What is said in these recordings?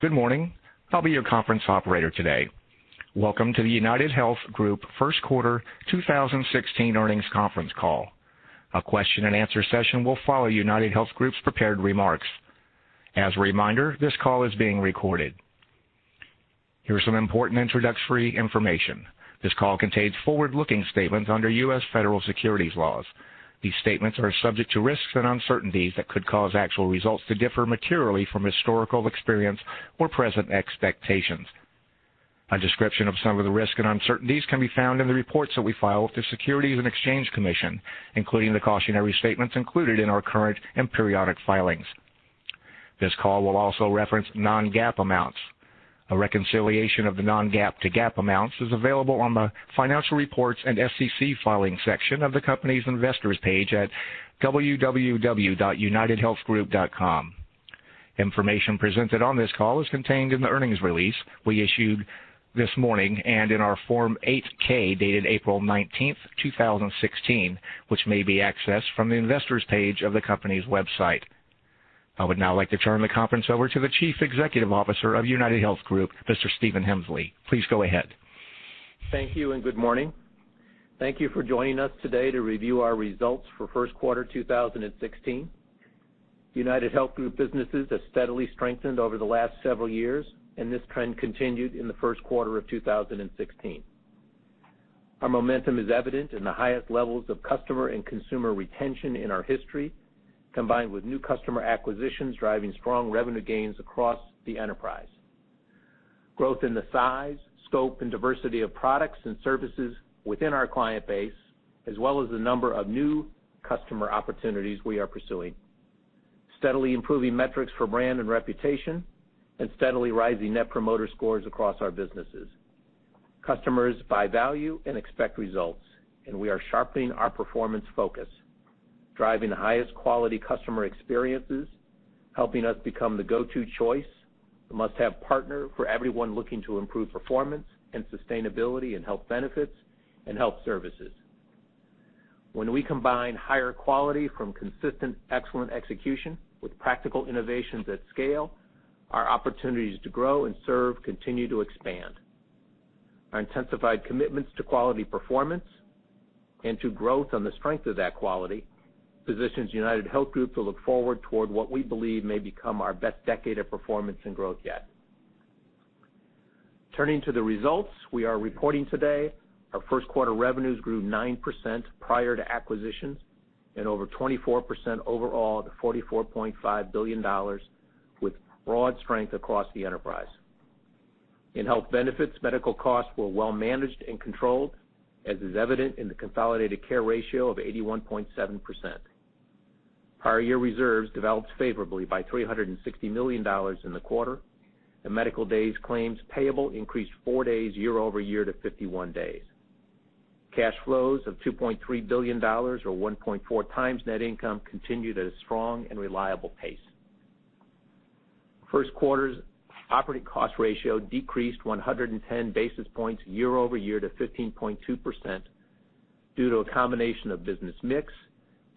Good morning. I'll be your conference operator today. Welcome to the UnitedHealth Group First Quarter 2016 Earnings Conference Call. A question and answer session will follow UnitedHealth Group's prepared remarks. As a reminder, this call is being recorded. Here's some important introductory information. This call contains forward-looking statements under U.S. federal securities laws. These statements are subject to risks and uncertainties that could cause actual results to differ materially from historical experience or present expectations. A description of some of the risks and uncertainties can be found in the reports that we file with the Securities and Exchange Commission, including the cautionary statements included in our current and periodic filings. This call will also reference non-GAAP amounts. A reconciliation of the non-GAAP to GAAP amounts is available on the Financial Reports and SEC Filings section of the company's investors page at www.unitedhealthgroup.com. Information presented on this call is contained in the earnings release we issued this morning and in our Form 8-K, dated April 19, 2016, which may be accessed from the Investors page of the company's website. I would now like to turn the conference over to the Chief Executive Officer of UnitedHealth Group, Mr. Stephen Hemsley. Please go ahead. Thank you. Good morning. Thank you for joining us today to review our results for first quarter 2016. UnitedHealth Group businesses have steadily strengthened over the last several years, this trend continued in the first quarter of 2016. Our momentum is evident in the highest levels of customer and consumer retention in our history, combined with new customer acquisitions driving strong revenue gains across the enterprise. Growth in the size, scope, and diversity of products and services within our client base, as well as the number of new customer opportunities we are pursuing. Steadily improving metrics for brand and reputation and steadily rising Net Promoter Scores across our businesses. Customers buy value and expect results. We are sharpening our performance focus, driving the highest quality customer experiences, helping us become the go-to choice, the must-have partner for everyone looking to improve performance and sustainability in health benefits and health services. When we combine higher quality from consistent excellent execution with practical innovations at scale, our opportunities to grow and serve continue to expand. Our intensified commitments to quality performance and to growth on the strength of that quality positions UnitedHealth Group to look forward toward what we believe may become our best decade of performance and growth yet. Turning to the results we are reporting today, our first quarter revenues grew 9% prior to acquisitions and over 24% overall to $44.5 billion with broad strength across the enterprise. In health benefits, medical costs were well managed and controlled, as is evident in the consolidated care ratio of 81.7%. Prior year reserves developed favorably by $360 million in the quarter, and medical days claims payable increased four days year-over-year to 51 days. Cash flows of $2.3 billion, or 1.4 times net income, continued at a strong and reliable pace. First quarter's operating cost ratio decreased 110 basis points year-over-year to 15.2% due to a combination of business mix,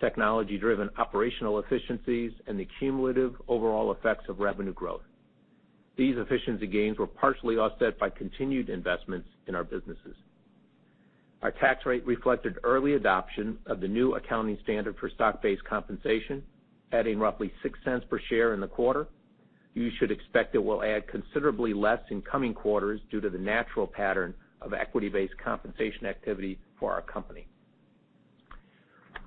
technology-driven operational efficiencies, and the cumulative overall effects of revenue growth. These efficiency gains were partially offset by continued investments in our businesses. Our tax rate reflected early adoption of the new accounting standard for stock-based compensation, adding roughly $0.06 per share in the quarter. You should expect it will add considerably less in coming quarters due to the natural pattern of equity-based compensation activity for our company.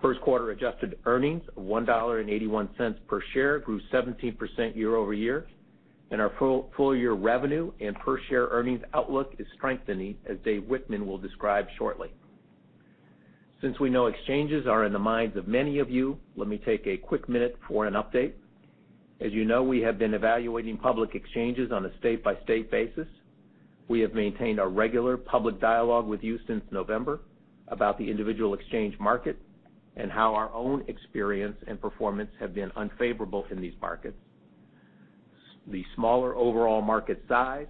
First quarter adjusted earnings of $1.81 per share grew 17% year-over-year, and our full year revenue and per-share earnings outlook is strengthening, as David Wichmann will describe shortly. Since we know exchanges are in the minds of many of you, let me take a quick minute for an update. As you know, we have been evaluating public exchanges on a state-by-state basis. We have maintained a regular public dialogue with you since November about the individual exchange market and how our own experience and performance have been unfavorable in these markets. The smaller overall market size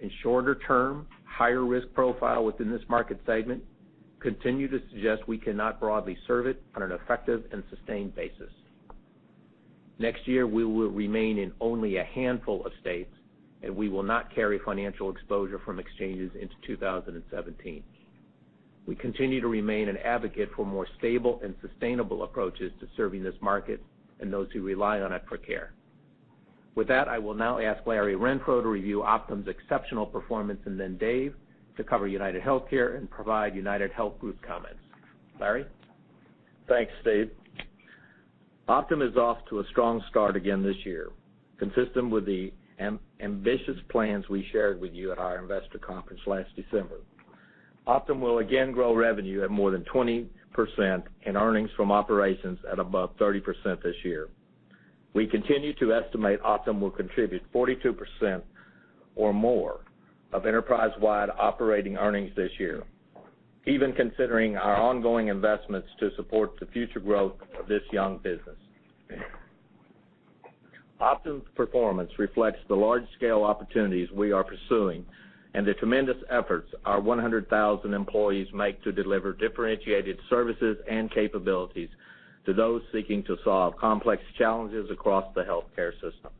and shorter term, higher risk profile within this market segment continue to suggest we cannot broadly serve it on an effective and sustained basis. Next year, we will remain in only a handful of states, and we will not carry financial exposure from exchanges into 2017. We continue to remain an advocate for more stable and sustainable approaches to serving this market and those who rely on it for care. With that, I will now ask Larry Renfro to review Optum's exceptional performance and then Dave to cover UnitedHealthcare and provide UnitedHealth Group comments. Larry? Thanks, Steve. Optum is off to a strong start again this year. Consistent with the ambitious plans we shared with you at our investor conference last December. Optum will again grow revenue at more than 20% and earnings from operations at above 30% this year. We continue to estimate Optum will contribute 42% or more of enterprise-wide operating earnings this year, even considering our ongoing investments to support the future growth of this young business. Optum's performance reflects the large-scale opportunities we are pursuing and the tremendous efforts our 100,000 employees make to deliver differentiated services and capabilities to those seeking to solve complex challenges across the healthcare system.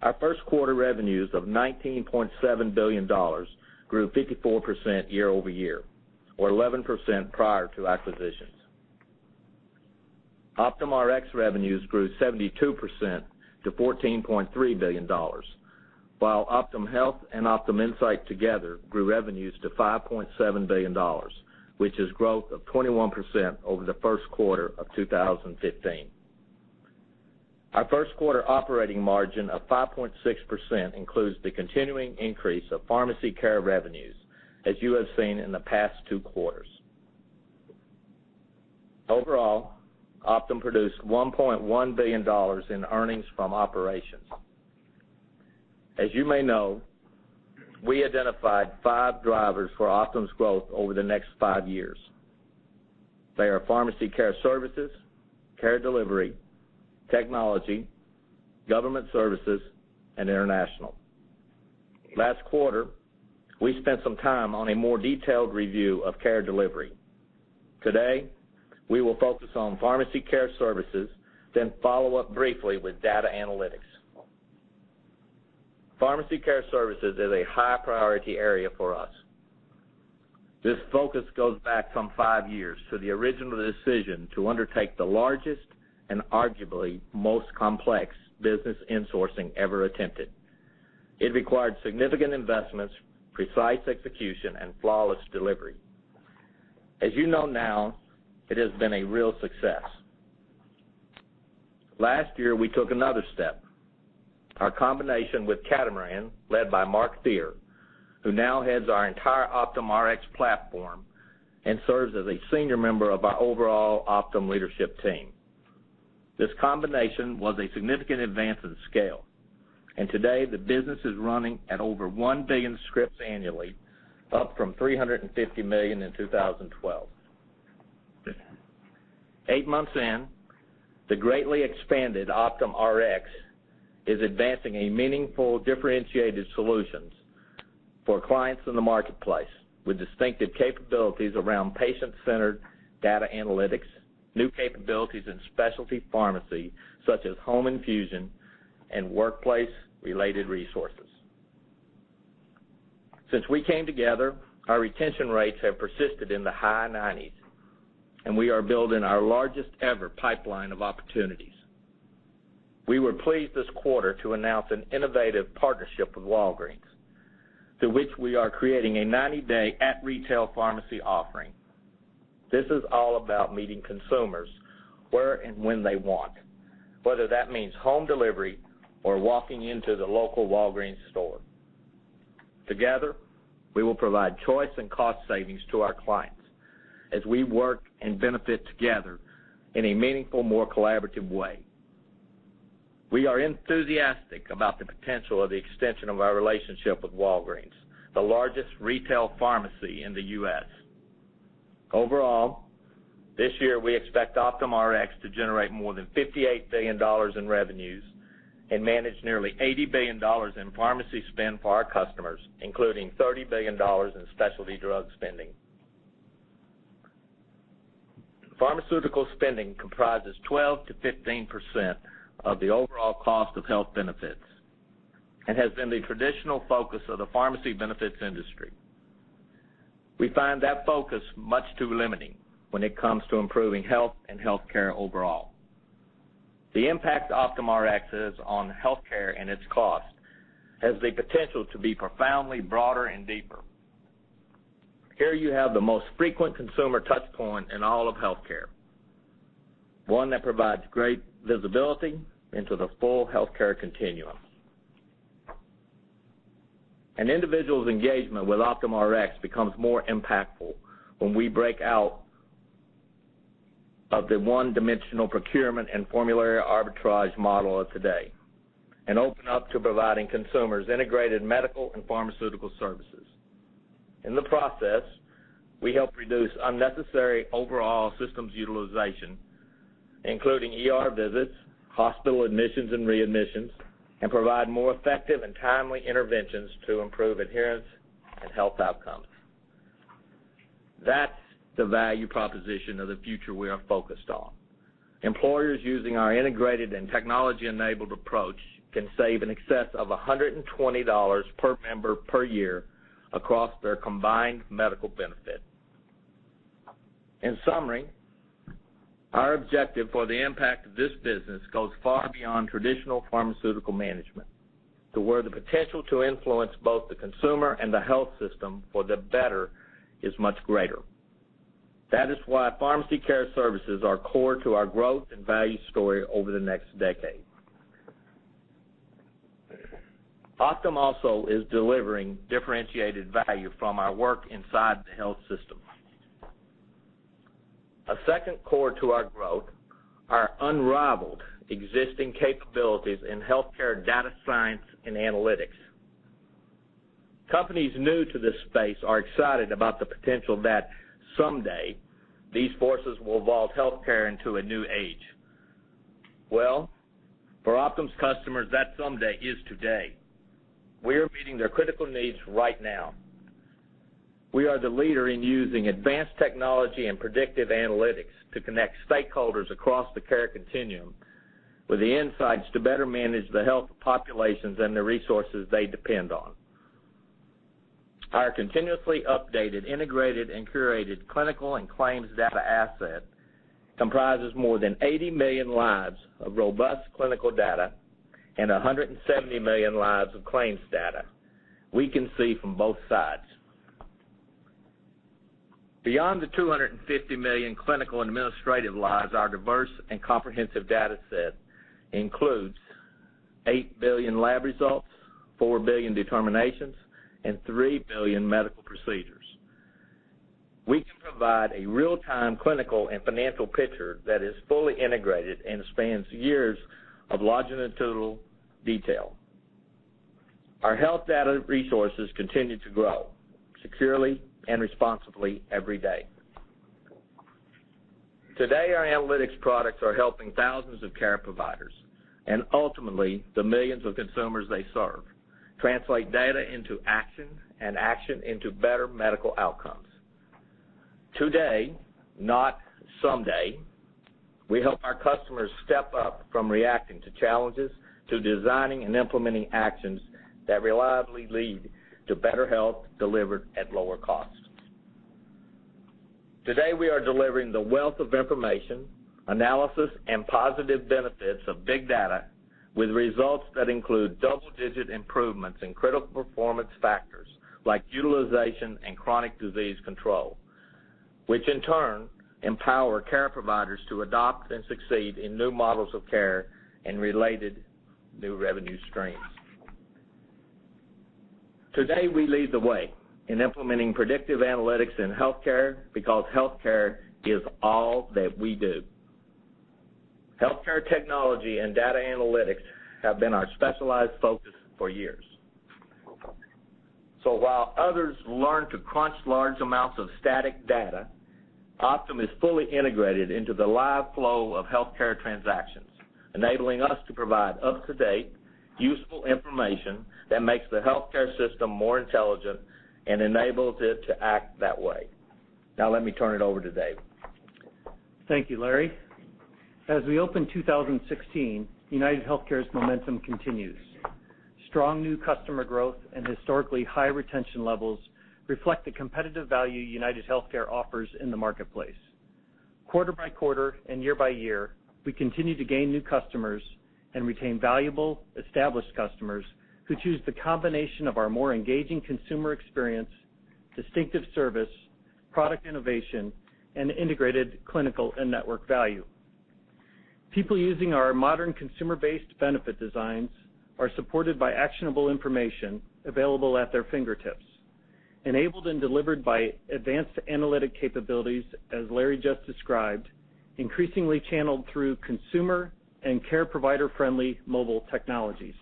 Our first quarter revenues of $19.7 billion grew 54% year-over-year, or 11% prior to acquisitions. OptumRx revenues grew 72% to $14.3 billion, while Optum Health and Optum Insight together grew revenues to $5.7 billion, which is growth of 21% over the first quarter of 2015. Our first quarter operating margin of 5.6% includes the continuing increase of pharmacy care revenues, as you have seen in the past two quarters. Overall, Optum produced $1.1 billion in earnings from operations. As you may know, we identified five drivers for Optum's growth over the next five years. They are pharmacy care services, care delivery, technology, government services, and international. Last quarter, we spent some time on a more detailed review of care delivery. Today, we will focus on pharmacy care services, then follow up briefly with data analytics. Pharmacy care services is a high priority area for us. This focus goes back some five years to the original decision to undertake the largest and arguably most complex business insourcing ever attempted. It required significant investments, precise execution, and flawless delivery. As you know now, it has been a real success. Last year, we took another step. Our combination with Catamaran, led by Mark Thierer, who now heads our entire OptumRx platform and serves as a senior member of our overall Optum leadership team. This combination was a significant advance in scale, and today the business is running at over 1 billion scripts annually, up from 350 million in 2012. Eight months in, the greatly expanded OptumRx is advancing a meaningful, differentiated solutions for clients in the marketplace, with distinctive capabilities around patient-centered data analytics, new capabilities in specialty pharmacy, such as home infusion and workplace-related resources. Since we came together, our retention rates have persisted in the high nineties, and we are building our largest-ever pipeline of opportunities. We were pleased this quarter to announce an innovative partnership with Walgreens, through which we are creating a 90-day at-retail pharmacy offering. This is all about meeting consumers where and when they want, whether that means home delivery or walking into the local Walgreens store. Together, we will provide choice and cost savings to our clients as we work and benefit together in a meaningful, more collaborative way. We are enthusiastic about the potential of the extension of our relationship with Walgreens, the largest retail pharmacy in the U.S. Overall, this year, we expect OptumRx to generate more than $58 billion in revenues and manage nearly $80 billion in pharmacy spend for our customers, including $30 billion in specialty drug spending. Pharmaceutical spending comprises 12%-15% of the overall cost of health benefits and has been the traditional focus of the pharmacy benefits industry. We find that focus much too limiting when it comes to improving health and healthcare overall. The impact OptumRx has on healthcare and its cost has the potential to be profoundly broader and deeper. Here you have the most frequent consumer touchpoint in all of healthcare, one that provides great visibility into the full healthcare continuum. An individual's engagement with OptumRx becomes more impactful when we break out of the one-dimensional procurement and formulary arbitrage model of today and open up to providing consumers integrated medical and pharmaceutical services. In the process, we help reduce unnecessary overall systems utilization, including ER visits, hospital admissions, and readmissions, and provide more effective and timely interventions to improve adherence and health outcomes. That's the value proposition of the future we are focused on. Employers using our integrated and technology-enabled approach can save in excess of $120 per member per year across their combined medical benefit. In summary, our objective for the impact of this business goes far beyond traditional pharmaceutical management to where the potential to influence both the consumer and the health system for the better is much greater. That is why pharmacy care services are core to our growth and value story over the next decade. Optum also is delivering differentiated value from our work inside the health system. A second core to our growth are unrivaled existing capabilities in healthcare data science and analytics. Companies new to this space are excited about the potential that someday these forces will evolve healthcare into a new age. Well, for Optum's customers, that someday is today. We are meeting their critical needs right now. We are the leader in using advanced technology and predictive analytics to connect stakeholders across the care continuum with the insights to better manage the health of populations and the resources they depend on. Our continuously updated, integrated, and curated clinical and claims data asset comprises more than 80 million lives of robust clinical data and 170 million lives of claims data. We can see from both sides. Beyond the 250 million clinical and administrative lives, our diverse and comprehensive data set includes 8 billion lab results, 4 billion determinations, and 3 billion medical procedures. We can provide a real-time clinical and financial picture that is fully integrated and spans years of longitudinal detail. Our health data resources continue to grow securely and responsibly every day. Today, our analytics products are helping thousands of care providers and ultimately the millions of consumers they serve translate data into action and action into better medical outcomes. Today, not someday, we help our customers step up from reacting to challenges to designing and implementing actions that reliably lead to better health delivered at lower costs. Today, we are delivering the wealth of information, analysis, and positive benefits of big data with results that include double-digit improvements in critical performance factors like utilization and chronic disease control, which in turn empower care providers to adopt and succeed in new models of care and related new revenue streams. Today, we lead the way in implementing predictive analytics in healthcare because healthcare is all that we do. Healthcare technology and data analytics have been our specialized focus for years. While others learn to crunch large amounts of static data, Optum is fully integrated into the live flow of healthcare transactions, enabling us to provide up-to-date, useful information that makes the healthcare system more intelligent and enables it to act that way. Let me turn it over to Dave. Thank you, Larry. As we open 2016, UnitedHealthcare's momentum continues. Strong new customer growth and historically high retention levels reflect the competitive value UnitedHealthcare offers in the marketplace. Quarter by quarter and year by year, we continue to gain new customers and retain valuable established customers who choose the combination of our more engaging consumer experience, distinctive service, product innovation, and integrated clinical and network value. People using our modern consumer-based benefit designs are supported by actionable information available at their fingertips, enabled and delivered by advanced analytic capabilities, as Larry just described, increasingly channeled through consumer and care provider-friendly mobile technologies.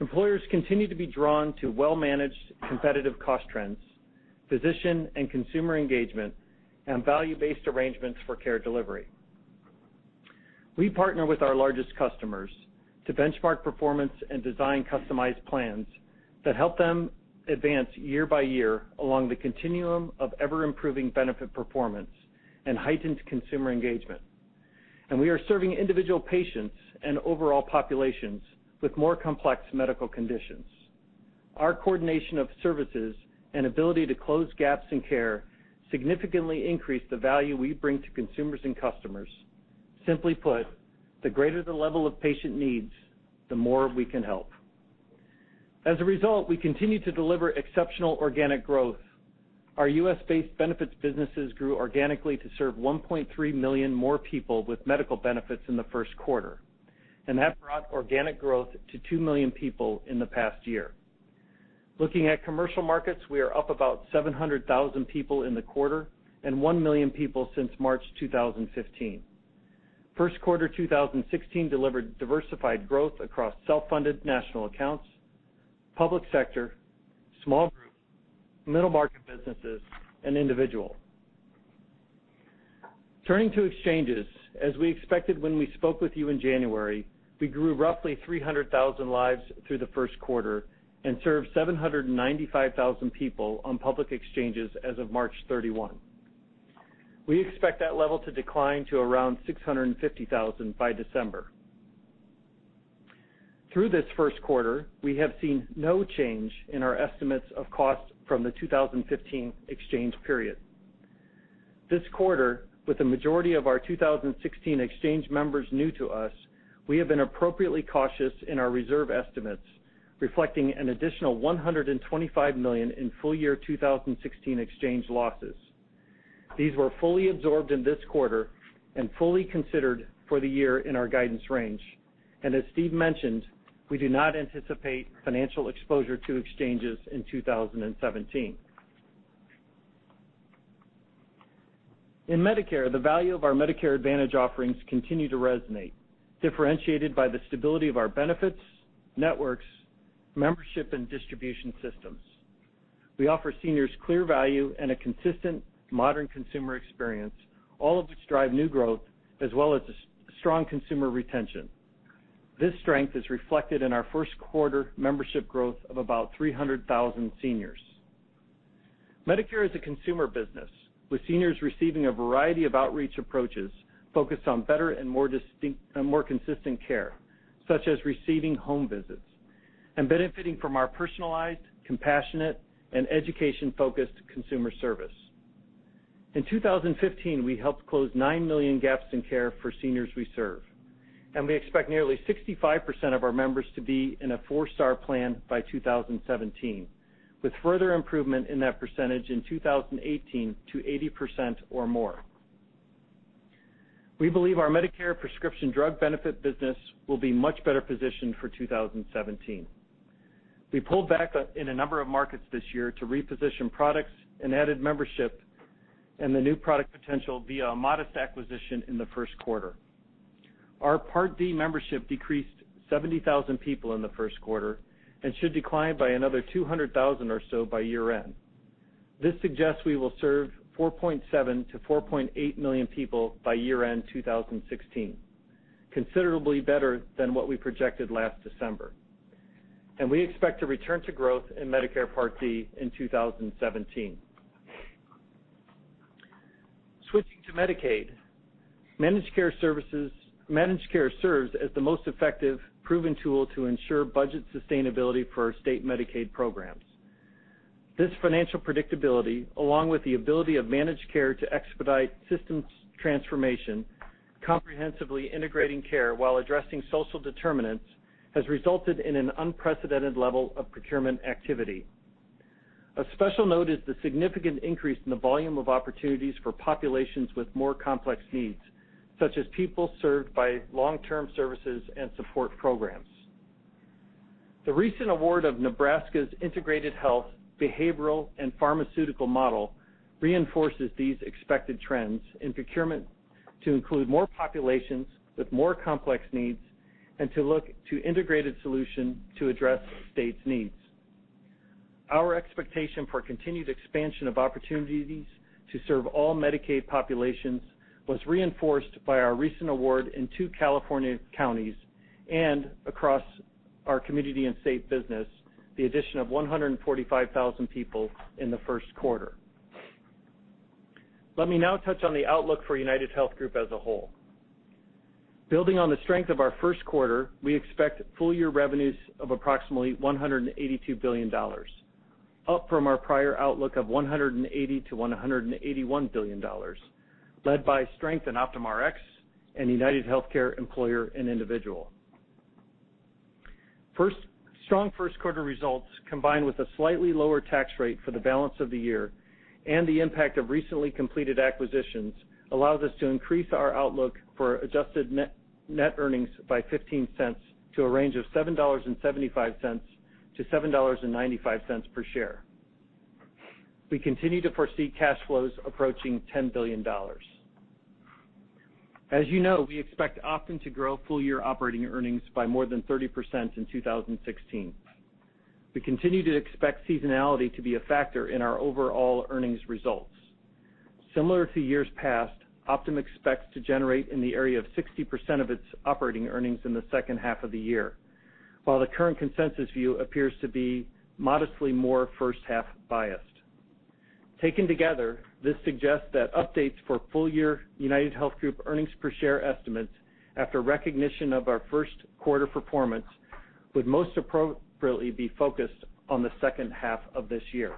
Employers continue to be drawn to well-managed competitive cost trends, physician and consumer engagement, and value-based arrangements for care delivery. We are serving individual patients and overall populations with more complex medical conditions. Our coordination of services and ability to close gaps in care significantly increase the value we bring to consumers and customers. Simply put, the greater the level of patient needs, the more we can help. As a result, we continue to deliver exceptional organic growth. Our U.S.-based benefits businesses grew organically to serve 1.3 million more people with medical benefits in the first quarter, and that brought organic growth to 2 million people in the past year. Looking at commercial markets, we are up about 700,000 people in the quarter and 1 million people since March 2015. First quarter 2016 delivered diversified growth across self-funded national accounts, public sector, small group, middle market businesses, and individual. Turning to exchanges, as we expected when we spoke with you in January, we grew roughly 300,000 lives through the first quarter and served 795,000 people on public exchanges as of March 31. We expect that level to decline to around 650,000 by December. Through this first quarter, we have seen no change in our estimates of cost from the 2015 exchange period. This quarter, with the majority of our 2016 exchange members new to us, we have been appropriately cautious in our reserve estimates, reflecting an additional $125 million in full year 2016 exchange losses. These were fully absorbed in this quarter and fully considered for the year in our guidance range. As Steve mentioned, we do not anticipate financial exposure to exchanges in 2017. In Medicare, the value of our Medicare Advantage offerings continue to resonate, differentiated by the stability of our benefits, networks, membership, and distribution systems. We offer seniors clear value and a consistent modern consumer experience, all of which drive new growth as well as strong consumer retention. This strength is reflected in our first quarter membership growth of about 300,000 seniors. Medicare is a consumer business, with seniors receiving a variety of outreach approaches focused on better and more consistent care, such as receiving home visits and benefiting from our personalized, compassionate, and education-focused consumer service. In 2015, we helped close 9 million gaps in care for seniors we serve, and we expect nearly 65% of our members to be in a four-star plan by 2017, with further improvement in that percentage in 2018 to 80% or more. We believe our Medicare prescription drug benefit business will be much better positioned for 2017. We pulled back in a number of markets this year to reposition products and added membership and the new product potential via a modest acquisition in the first quarter. Our Part D membership decreased 70,000 people in the first quarter and should decline by another 200,000 or so by year-end. This suggests we will serve 4.7 to 4.8 million people by year-end 2016, considerably better than what we projected last December, and we expect to return to growth in Medicare Part D in 2017. Switching to Medicaid, managed care serves as the most effective proven tool to ensure budget sustainability for our state Medicaid programs. This financial predictability, along with the ability of managed care to expedite systems transformation, comprehensively integrating care while addressing social determinants, has resulted in an unprecedented level of procurement activity. Of special note is the significant increase in the volume of opportunities for populations with more complex needs, such as people served by long-term services and support programs. The recent award of Nebraska's integrated health, behavioral, and pharmaceutical model reinforces these expected trends in procurement to include more populations with more complex needs and to look to integrated solution to address states' needs. Our expectation for continued expansion of opportunities to serve all Medicaid populations was reinforced by our recent award in two California counties and across our community and state business, the addition of 145,000 people in the first quarter. Let me now touch on the outlook for UnitedHealth Group as a whole. Building on the strength of our first quarter, we expect full-year revenues of approximately $182 billion, up from our prior outlook of $180 billion-$181 billion, led by strength in OptumRx and UnitedHealthcare employer and individual. Strong first quarter results, combined with a slightly lower tax rate for the balance of the year and the impact of recently completed acquisitions, allows us to increase our outlook for adjusted net earnings by $0.15 to a range of $7.75-$7.95 per share. We continue to foresee cash flows approaching $10 billion. As you know, we expect Optum to grow full-year operating earnings by more than 30% in 2016. We continue to expect seasonality to be a factor in our overall earnings results. Similar to years past, Optum expects to generate in the area of 60% of its operating earnings in the second half of the year, while the current consensus view appears to be modestly more first-half biased. Taken together, this suggests that updates for full-year UnitedHealth Group earnings per share estimates after recognition of our first quarter performance would most appropriately be focused on the second half of this year.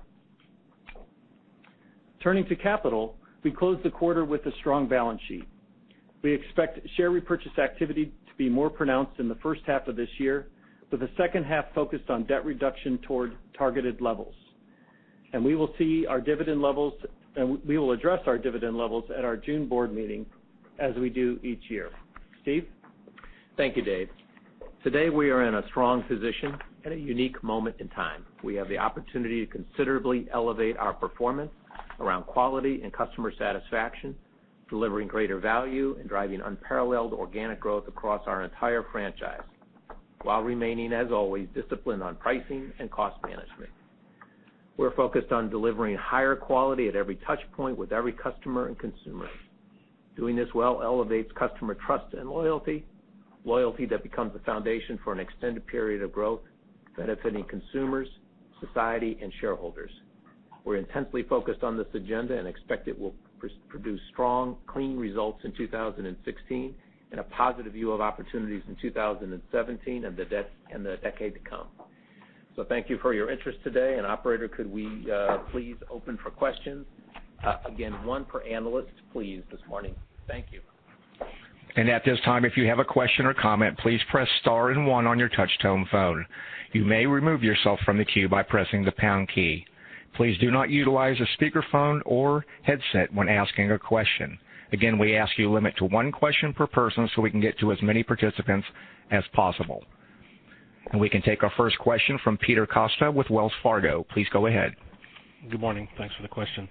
Turning to capital, we closed the quarter with a strong balance sheet. We expect share repurchase activity to be more pronounced in the first half of this year, with the second half focused on debt reduction toward targeted levels. We will address our dividend levels at our June board meeting as we do each year. Steve? Thank you, Dave. Today, we are in a strong position at a unique moment in time. We have the opportunity to considerably elevate our performance around quality and customer satisfaction, delivering greater value and driving unparalleled organic growth across our entire franchise while remaining, as always, disciplined on pricing and cost management. We're focused on delivering higher quality at every touch point with every customer and consumer. Doing this well elevates customer trust and loyalty that becomes the foundation for an extended period of growth benefiting consumers, society, and shareholders. We're intensely focused on this agenda and expect it will produce strong, clean results in 2016 and a positive view of opportunities in 2017 and the decade to come. Thank you for your interest today. Operator, could we please open for questions? Again, one per analyst please this morning. Thank you. At this time, if you have a question or comment, please press star and one on your touchtone phone. You may remove yourself from the queue by pressing the pound key. Please do not utilize a speakerphone or headset when asking a question. Again, we ask you limit to one question per person so we can get to as many participants as possible. We can take our first question from Peter Costa with Wells Fargo. Please go ahead. Good morning. Thanks for the question.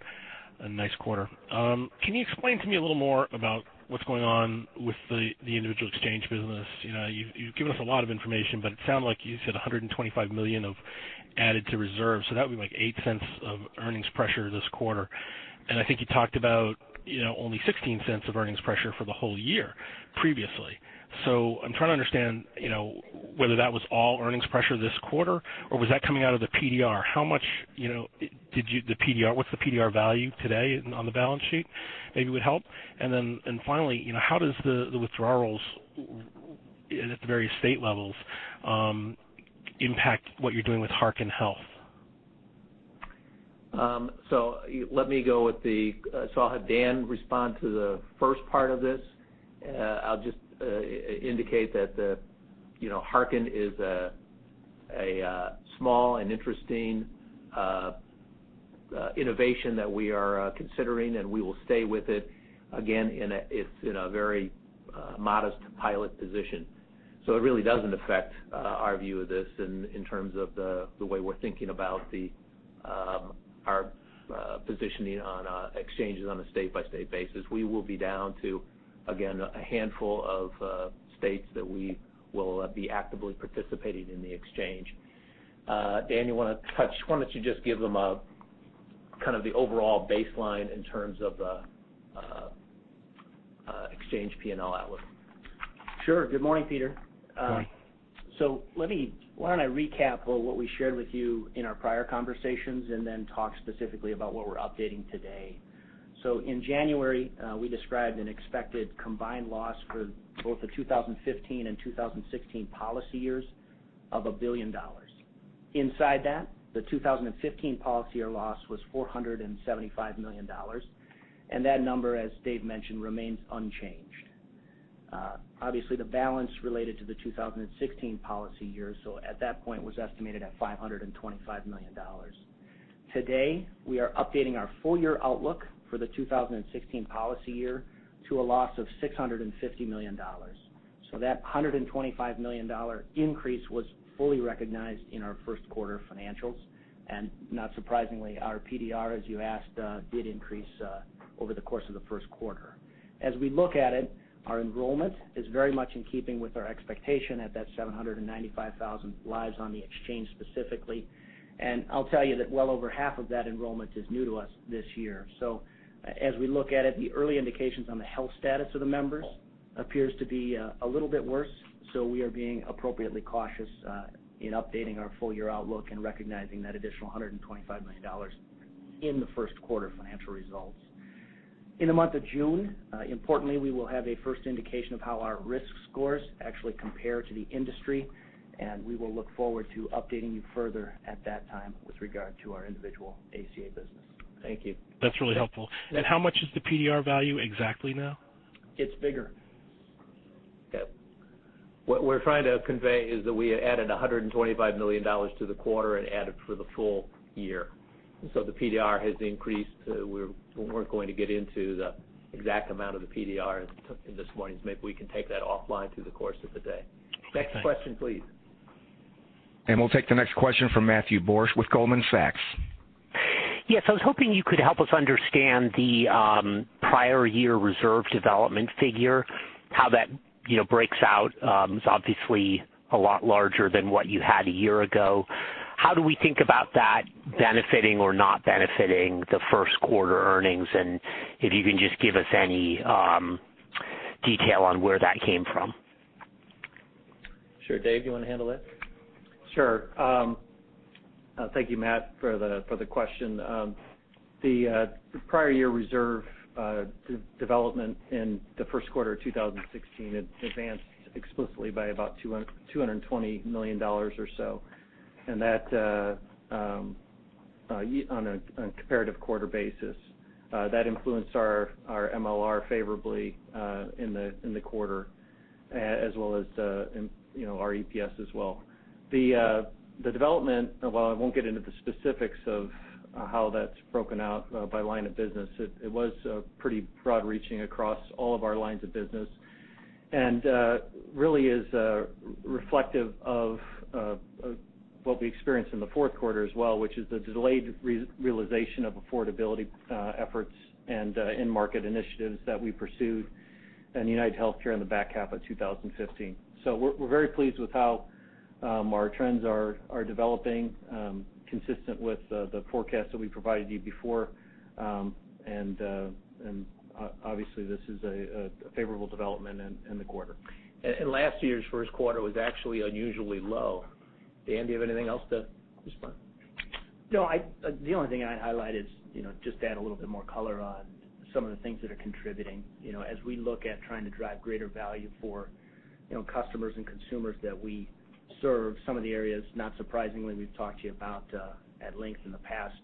A nice quarter. Can you explain to me a little more about what's going on with the individual exchange business? You've given us a lot of information, but it sounded like you said $125 million of added to reserve, so that would be like $0.08 of earnings pressure this quarter. I think you talked about only $0.16 of earnings pressure for the whole year previously. I'm trying to understand whether that was all earnings pressure this quarter, or was that coming out of the PDR. What's the PDR value today on the balance sheet? Maybe it would help. Then finally, how does the withdrawals at the various state levels impact what you're doing with Harken Health? I'll have Dan respond to the first part of this. I'll just indicate that Harken is a small and interesting innovation that we are considering, and we will stay with it. Again, it's in a very modest pilot position. It really doesn't affect our view of this in terms of the way we're thinking about our positioning on exchanges on a state-by-state basis. We will be down to, again, a handful of states that we will be actively participating in the exchange. Dan, why don't you just give them the overall baseline in terms of the exchange P&L outlook? Sure. Good morning, Peter. Good morning. Why don't I recap what we shared with you in our prior conversations, and then talk specifically about what we're updating today. In January, we described an expected combined loss for both the 2015 and 2016 policy years of $1 billion. Inside that, the 2015 policy year loss was $475 million, and that number, as Dave mentioned, remains unchanged. Obviously, the balance related to the 2016 policy year, at that point was estimated at $525 million. Today, we are updating our full-year outlook for the 2016 policy year to a loss of $650 million. That $125 million increase was fully recognized in our first quarter financials, and not surprisingly, our PDR, as you asked, did increase over the course of the first quarter. As we look at it, our enrollment is very much in keeping with our expectation at that 795,000 lives on the exchange specifically. I'll tell you that well over half of that enrollment is new to us this year. As we look at it, the early indications on the health status of the members appears to be a little bit worse. We are being appropriately cautious in updating our full-year outlook and recognizing that additional $125 million in the first quarter financial results. In the month of June, importantly, we will have a first indication of how our risk scores actually compare to the industry, and we will look forward to updating you further at that time with regard to our individual ACA business. Thank you. That's really helpful. How much is the PDR value exactly now? It's bigger. Yep. What we're trying to convey is that we added $125 million to the quarter and added for the full year. The PDR has increased. We're not going to get into the exact amount of the PDR in this morning's meet. We can take that offline through the course of the day. Thanks. Next question, please. We'll take the next question from Matthew Borsch with Goldman Sachs. Yes, I was hoping you could help us understand the prior year reserve development figure, how that breaks out. It's obviously a lot larger than what you had a year ago. How do we think about that benefiting or not benefiting the first quarter earnings? If you can just give us any detail on where that came from. Sure. Dave, you want to handle that? Sure. Thank you, Matt, for the question. The prior year reserve development in the first quarter of 2016 advanced explicitly by about $220 million or so on a comparative quarter basis. That influenced our MLR favorably in the quarter, as well as our EPS as well. The development, while I won't get into the specifics of how that's broken out by line of business, it was pretty broad-reaching across all of our lines of business, and really is reflective of what we experienced in the fourth quarter as well, which is the delayed realization of affordability efforts and in-market initiatives that we pursued in UnitedHealthcare in the back half of 2015. We're very pleased with how our trends are developing, consistent with the forecast that we provided you before, and obviously this is a favorable development in the quarter. Last year's first quarter was actually unusually low. Dan, do you have anything else to respond? No. The only thing I'd highlight is just to add a little bit more color on some of the things that are contributing. As we look at trying to drive greater value for customers and consumers that we serve, some of the areas, not surprisingly, we've talked to you about at length in the past.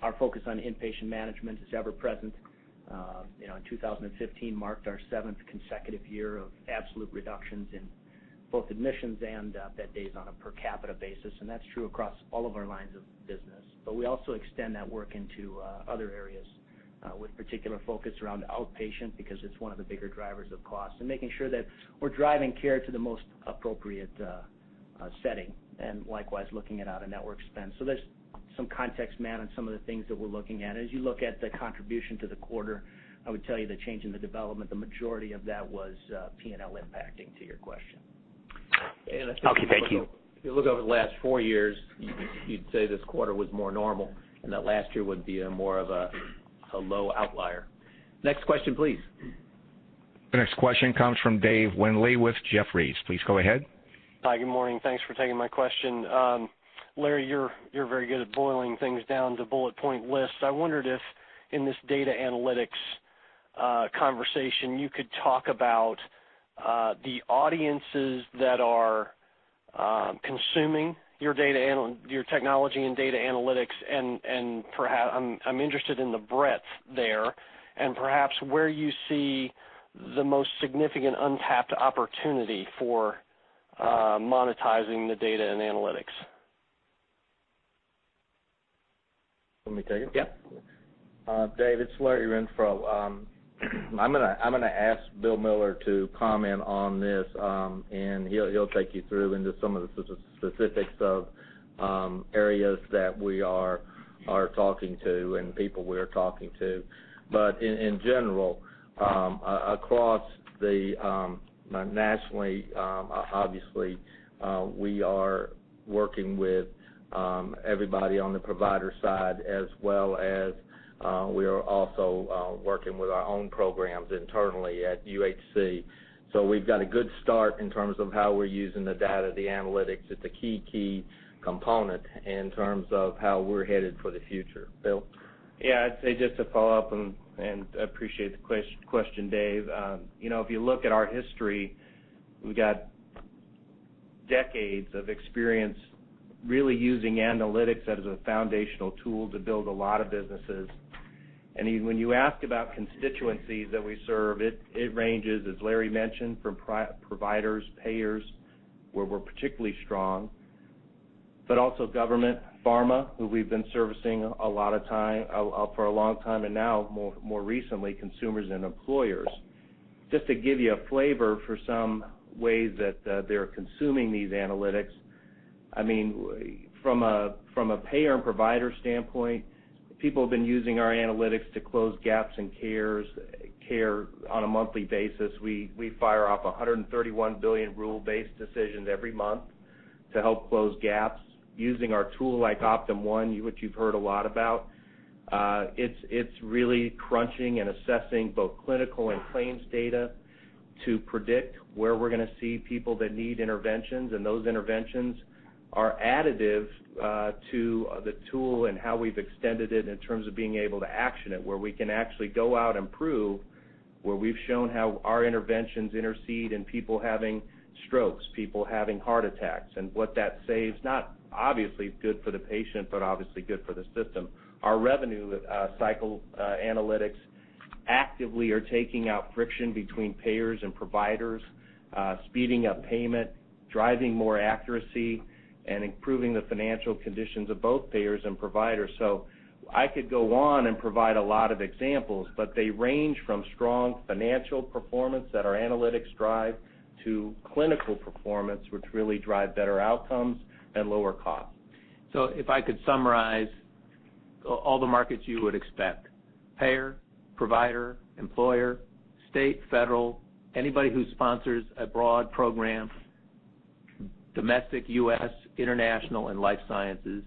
Our focus on inpatient management is ever present. 2015 marked our seventh consecutive year of absolute reductions in both admissions and bed days on a per capita basis, and that's true across all of our lines of business. We also extend that work into other areas with particular focus around outpatient because it's one of the bigger drivers of cost, making sure that we're driving care to the most appropriate setting, and likewise looking at out-of-network spend. There's some context, Matt, on some of the things that we're looking at. As you look at the contribution to the quarter, I would tell you the change in the development, the majority of that was P&L impacting to your question. Okay, thank you. If you look over the last four years, you'd say this quarter was more normal, and that last year would be more of a low outlier. Next question, please. The next question comes from David Windley with Jefferies. Please go ahead. Hi, good morning. Thanks for taking my question. Larry, you're very good at boiling things down to bullet point lists. I wondered if in this data analytics conversation, you could talk about the audiences that are consuming your technology and data analytics, and I'm interested in the breadth there, and perhaps where you see the most significant untapped opportunity for monetizing the data and analytics. Let me take it? Yep. Dave, it's Larry Renfro. I'm going to ask Bill Miller to comment on this. He'll take you through into some of the specifics of areas that we are talking to and people we're talking to. In general, across the nationally, obviously, we are working with everybody on the provider side, as well as we are also working with our own programs internally at UHC. We've got a good start in terms of how we're using the data, the analytics. It's a key component in terms of how we're headed for the future. Bill? I'd say just to follow up. I appreciate the question, Dave. If you look at our history, we got decades of experience really using analytics as a foundational tool to build a lot of businesses. When you ask about constituencies that we serve, it ranges, as Larry mentioned, from providers, payers, where we're particularly strong, but also government, pharma, who we've been servicing for a long time, and now more recently, consumers and employers. Just to give you a flavor for some ways that they're consuming these analytics. From a payer and provider standpoint, people have been using our analytics to close gaps in care on a monthly basis. We fire off 131 billion rule-based decisions every month to help close gaps using our tool like Optum One, which you've heard a lot about. It's really crunching and assessing both clinical and claims data to predict where we're going to see people that need interventions, and those interventions are additive to the tool and how we've extended it in terms of being able to action it, where we can actually go out and prove where we've shown how our interventions intercede in people having strokes, people having heart attacks, and what that saves, not obviously good for the patient, but obviously good for the system. Our revenue cycle analytics actively are taking out friction between payers and providers, speeding up payment, driving more accuracy, and improving the financial conditions of both payers and providers. I could go on and provide a lot of examples, but they range from strong financial performance that our analytics drive to clinical performance, which really drive better outcomes and lower cost. If I could summarize all the markets you would expect. Payer, provider, employer, state, federal, anybody who sponsors a broad program, domestic, U.S., international, and life sciences.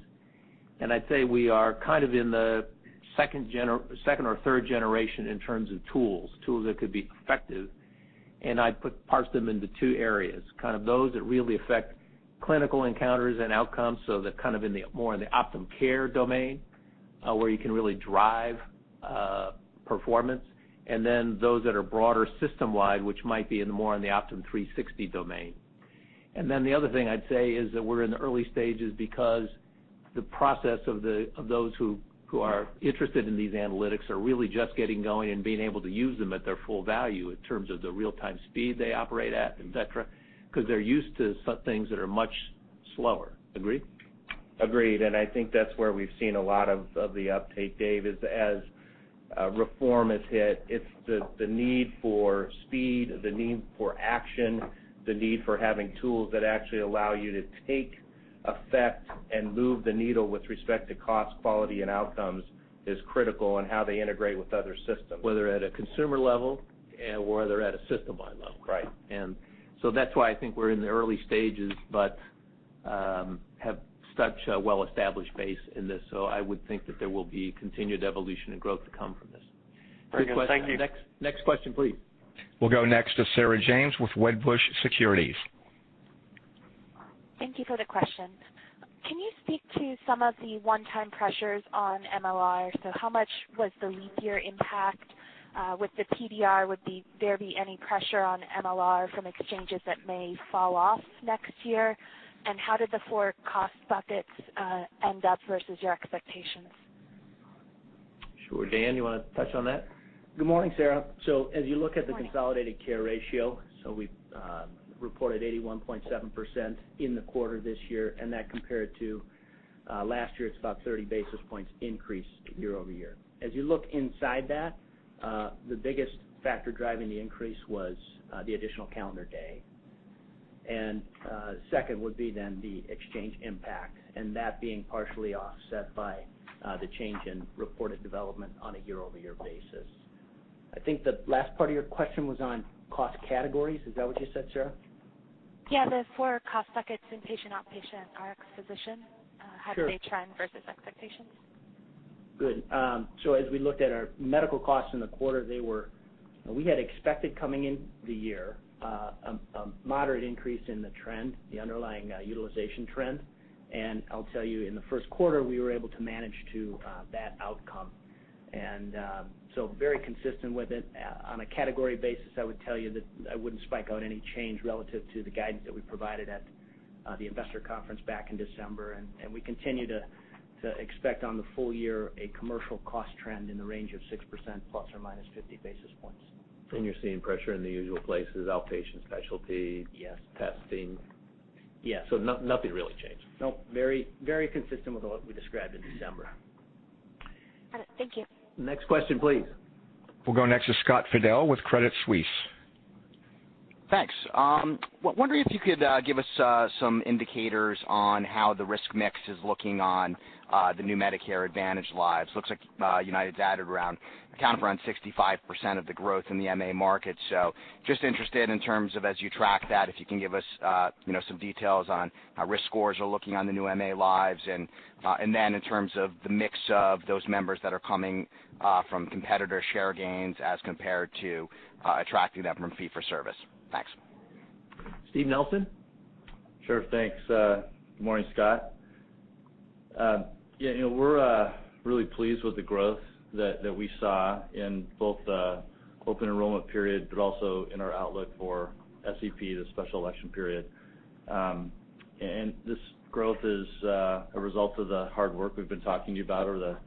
I'd say we are in the second or third generation in terms of tools that could be effective. I'd parse them into two areas, those that really affect clinical encounters and outcomes, so they're more in the Optum Care domain, where you can really drive performance. Then those that are broader system-wide, which might be in the more on the Optum360 domain. The other thing I'd say is that we're in the early stages because the process of those who are interested in these analytics are really just getting going and being able to use them at their full value in terms of the real-time speed they operate at, et cetera, because they're used to some things that are much slower. Agree? Agreed, I think that's where we've seen a lot of the uptake, Dave, is as reform has hit, it's the need for speed, the need for action, the need for having tools that actually allow you to take effect and move the needle with respect to cost, quality, and outcomes is critical in how they integrate with other systems. Whether at a consumer level or whether at a system-wide level. Right. That's why I think we're in the early stages, but have such a well-established base in this. I would think that there will be continued evolution and growth to come from this. Very good. Thank you. Next question, please. We'll go next to Sarah James with Wedbush Securities. Thank you for the question. Can you speak to some of the one-time pressures on MLR? How much was the leap year impact? With the PDR, would there be any pressure on MLR from exchanges that may fall off next year? How did the four cost buckets end up versus your expectations? Sure. Dan, you want to touch on that? Good morning, Sarah. As you look at the consolidated care ratio, we reported 81.7% in the quarter this year, and that compared to last year, it's about 30 basis points increase year-over-year. As you look inside that, the biggest factor driving the increase was the additional calendar day. Second would be the exchange impact, and that being partially offset by the change in reported development on a year-over-year basis. I think the last part of your question was on cost categories. Is that what you said, Sarah? Yeah. The four cost buckets, inpatient, outpatient, Rx, physician. Sure. How do they trend versus expectations? Good. As we looked at our medical costs in the quarter, we had expected coming into the year, a moderate increase in the trend, the underlying utilization trend. I'll tell you, in the first quarter, we were able to manage to that outcome. Very consistent with it. On a category basis, I would tell you that I wouldn't spike out any change relative to the guidance that we provided at the investor conference back in December. We continue to expect on the full year a commercial cost trend in the range of 6% plus or minus 50 basis points. You're seeing pressure in the usual places, outpatient specialty- Yes testing. Yes. Nothing really changed. No, very consistent with what we described in December. Got it. Thank you. Next question, please. We'll go next to Scott Fidel with Credit Suisse. Thanks. Wondering if you could give us some indicators on how the risk mix is looking on the new Medicare Advantage lives. Looks like United's accounted for around 65% of the growth in the MA market. Just interested in terms of as you track that, if you can give us some details on how risk scores are looking on the new MA lives, and then in terms of the mix of those members that are coming from competitor share gains as compared to attracting them from fee for service. Thanks. Steve Nelson? Sure. Thanks. Good morning, Scott. We're really pleased with the growth that we saw in both the open enrollment period, but also in our outlook for SEP, the special election period. This growth is a result of the hard work we've been talking to you about over the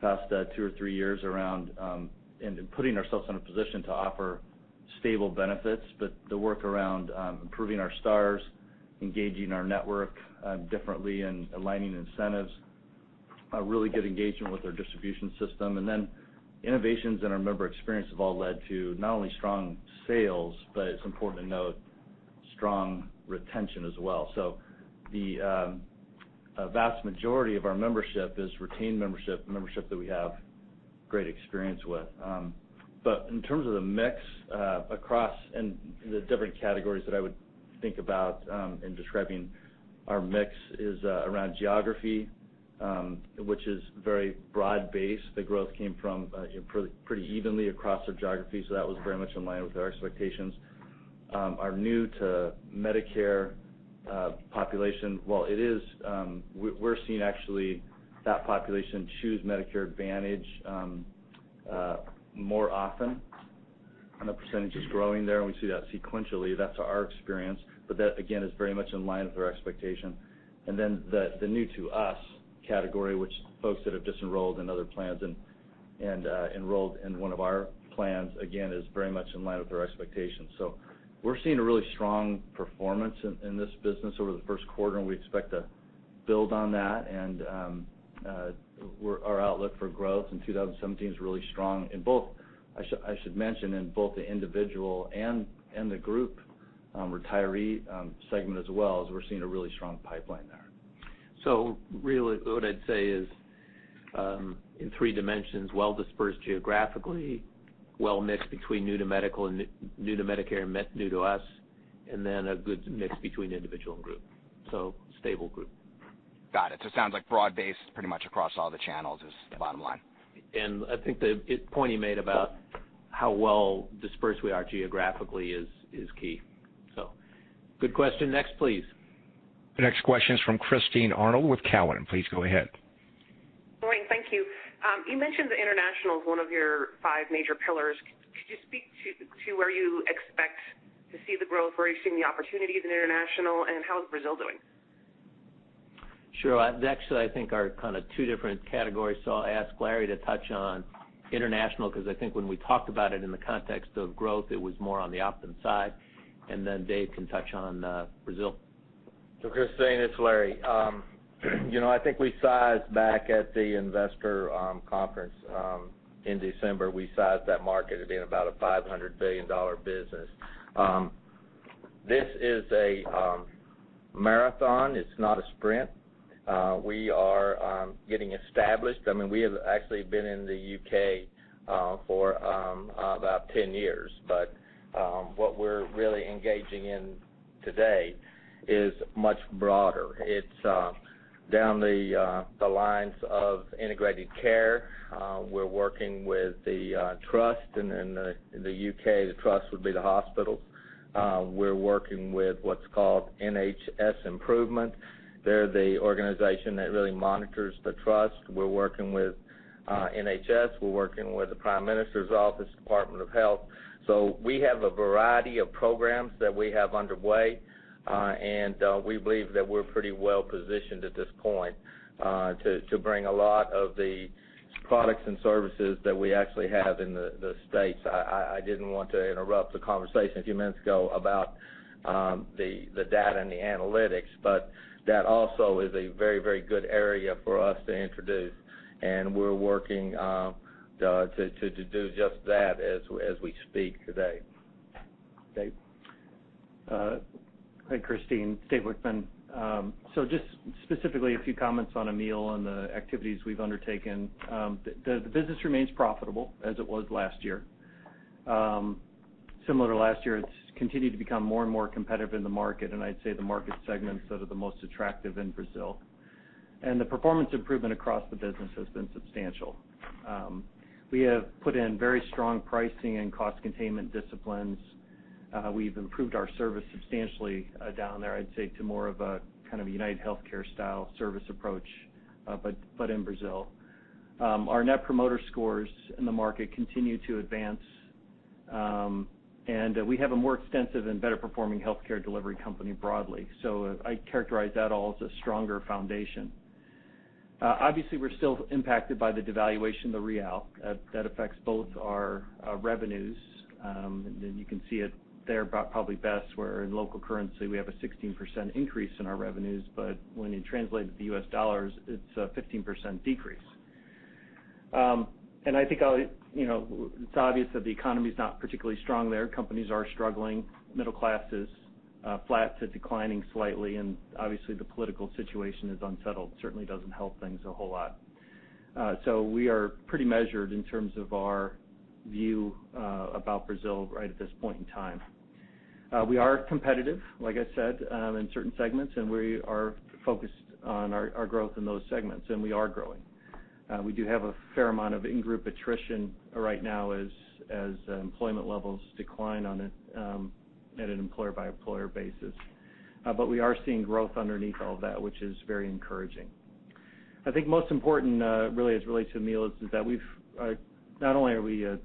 past two or three years around putting ourselves in a position to offer stable benefits, but the work around improving our stars, engaging our network differently, and aligning incentives. A really good engagement with our distribution system, and then innovations in the member experience have all led to not only strong sales, but it's important to note, strong retention as well. The vast majority of our membership is retained membership that we have great experience with. In terms of the mix across, and the different categories that I would think about in describing our mix is around geography, which is very broad-based. The growth came from pretty evenly across our geography, that was very much in line with our expectations. Our new to Medicare population, we're seeing actually that population choose Medicare Advantage more often, and the percentage is growing there, and we see that sequentially. That's our experience. That, again, is very much in line with our expectation. The new to us category, which folks that have just enrolled in other plans and enrolled in one of our plans, again, is very much in line with our expectations. We're seeing a really strong performance in this business over the first quarter, and we expect to build on that. Our outlook for growth in 2017 is really strong in both, I should mention, in both the individual and the group retiree segment as well, as we're seeing a really strong pipeline there. Really what I'd say is, in three dimensions, well dispersed geographically, well-mixed between new to Medicare, and new to us, then a good mix between individual and group. Stable group. Got it. It sounds like broad-based pretty much across all the channels is the bottom line. I think the point you made about how well dispersed we are geographically is key. Good question. Next, please. The next question is from Christine Arnold with Cowen. Please go ahead. Morning. Thank you. You mentioned the international is one of your five major pillars. Could you speak to where you expect to see the growth? Where are you seeing the opportunities in international, and how is Brazil doing? Actually, I think are two different categories. I'll ask Larry to touch on international, because I think when we talked about it in the context of growth, it was more on the Optum side, and then Dave can touch on Brazil. Christine, it's Larry. I think back at the investor conference in December, we sized that market at being about a $500 billion business. This is a marathon. It's not a sprint. We are getting established. We have actually been in the U.K. for about 10 years, but what we're really engaging in today is much broader. It's down the lines of integrated care. We're working with the Trust, and in the U.K., the Trust would be the hospitals. We're working with what's called NHS Improvement. They're the organization that really monitors the Trust. We're working with NHS. We're working with the Prime Minister's office, Department of Health. We have a variety of programs that we have underway, and we believe that we're pretty well positioned at this point, to bring a lot of the products and services that we actually have in the U.S. I didn't want to interrupt the conversation a few minutes ago about the data and the analytics, that also is a very good area for us to introduce. We're working to do just that as we speak today. Dave? Hi, Christine. Dave Wichmann. Just specifically a few comments on Amil and the activities we've undertaken. The business remains profitable as it was last year. Similar to last year, it's continued to become more and more competitive in the market, I'd say the market segments that are the most attractive in Brazil. The performance improvement across the business has been substantial. We have put in very strong pricing and cost containment disciplines. We've improved our service substantially down there, I'd say, to more of a UnitedHealthcare style service approach, but in Brazil. Our Net Promoter Scores in the market continue to advance. We have a more extensive and better-performing healthcare delivery company broadly. I characterize that all as a stronger foundation. Obviously, we're still impacted by the devaluation of the real. That affects both our revenues, you can see it there probably best, where in local currency, we have a 16% increase in our revenues. When you translate it to U.S. dollars, it's a 15% decrease. I think it's obvious that the economy's not particularly strong there. Companies are struggling. Middle class is flat to declining slightly, and obviously, the political situation is unsettled. Certainly doesn't help things a whole lot. We are pretty measured in terms of our view about Brazil right at this point in time. We are competitive, like I said, in certain segments, we are focused on our growth in those segments, we are growing. We do have a fair amount of in-group attrition right now as employment levels decline on an employer-by-employer basis. We are seeing growth underneath all that, which is very encouraging. I think most important, really as it relates to Amil, is that not only are we a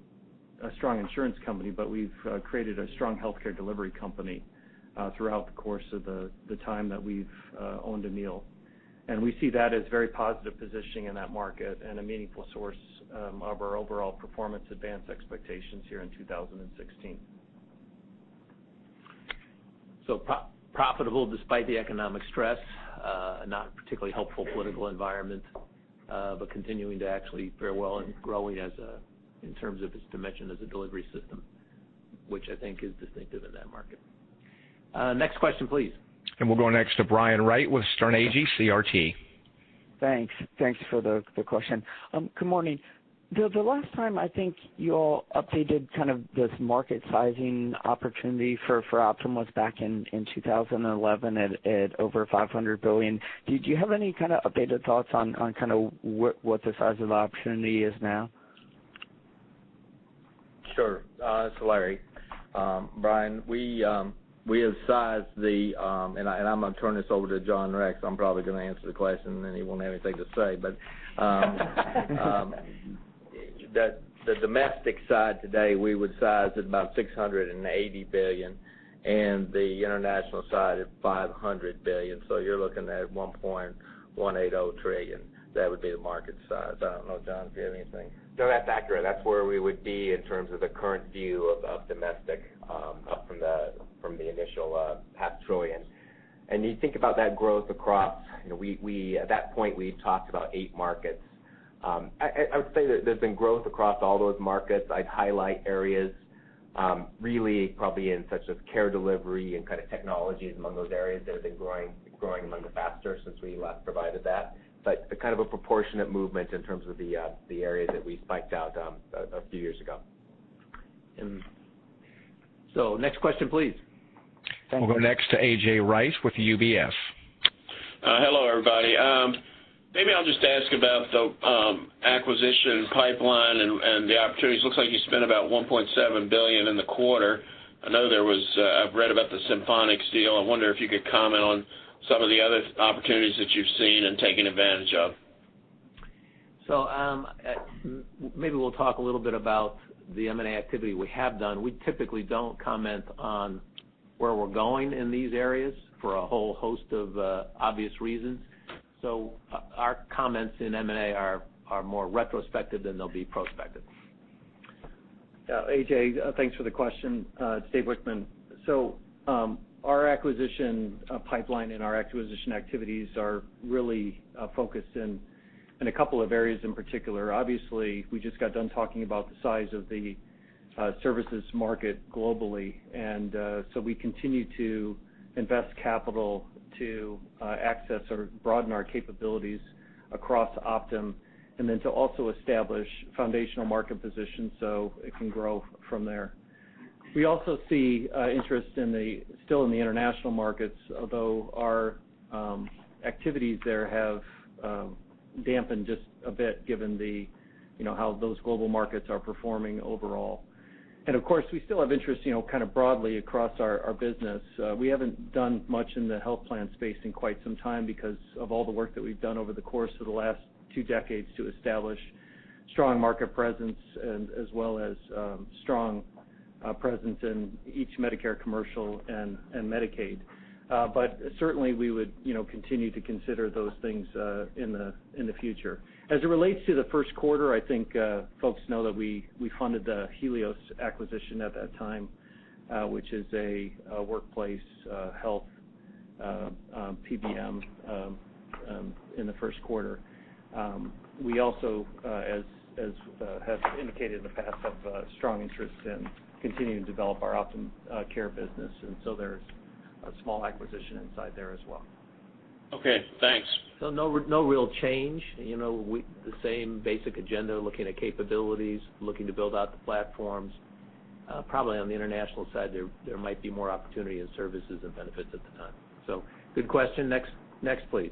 strong insurance company, but we've created a strong healthcare delivery company throughout the course of the time that we've owned Amil. We see that as very positive positioning in that market and a meaningful source of our overall performance advance expectations here in 2016. Profitable despite the economic stress, not particularly helpful political environment. Continuing to actually fare well and growing in terms of its dimension as a delivery system, which I think is distinctive in that market. Next question, please. We'll go next to Brian Wright with Sterne Agee CRT. Thanks for the question. Good morning. The last time I think you all updated this market sizing opportunity for Optum was back in 2011 at over $500 billion. Do you have any updated thoughts on what the size of the opportunity is now? Sure. It's Larry. Brian, we have and I'm going to turn this over to John Rex. I'm probably going to answer the question, and then he won't have anything to say. The domestic side today, we would size at about $680 billion and the international side at $500 billion. You're looking at $1.180 trillion. That would be the market size. I don't know, John, if you have anything. No, that's accurate. That's where we would be in terms of the current view of domestic, up from the initial half trillion. You think about that growth across, at that point, we talked about eight markets. I would say that there's been growth across all those markets. I'd highlight areas really probably in such as care delivery and technologies among those areas that have been growing much faster since we last provided that. A proportionate movement in terms of the areas that we spiked out a few years ago. Next question, please. We'll go next to A.J. Rice with UBS. Hello, everybody. Maybe I'll just ask about the acquisition pipeline and the opportunities. Looks like you spent about $1.7 billion in the quarter. I know I've read about the Symphonix deal. I wonder if you could comment on some of the other opportunities that you've seen and taken advantage of. Maybe we'll talk a little bit about the M&A activity we have done. We typically don't comment on where we're going in these areas for a whole host of obvious reasons. Our comments in M&A are more retrospective than they'll be prospective. A.J., thanks for the question. Dave Wichmann. Our acquisition pipeline and our acquisition activities are really focused in a couple of areas in particular. Obviously, we just got done talking about the size of the services market globally, we continue to invest capital to access or broaden our capabilities across Optum, then to also establish foundational market position so it can grow from there. We also see interest still in the international markets, although our activities there have dampened just a bit given how those global markets are performing overall. Of course, we still have interest broadly across our business. We haven't done much in the health plan space in quite some time because of all the work that we've done over the course of the last two decades to establish strong market presence as well as strong presence in each Medicare commercial and Medicaid. Certainly, we would continue to consider those things in the future. As it relates to the first quarter, I think folks know that we funded the Helios acquisition at that time, which is a workplace health PBM in the first quarter. We also, as have indicated in the past, have a strong interest in continuing to develop our Optum Care business. There's a small acquisition inside there as well. Okay, thanks. No real change. The same basic agenda, looking at capabilities, looking to build out the platforms. Probably on the international side, there might be more opportunity in services and benefits at the time. Good question. Next, please.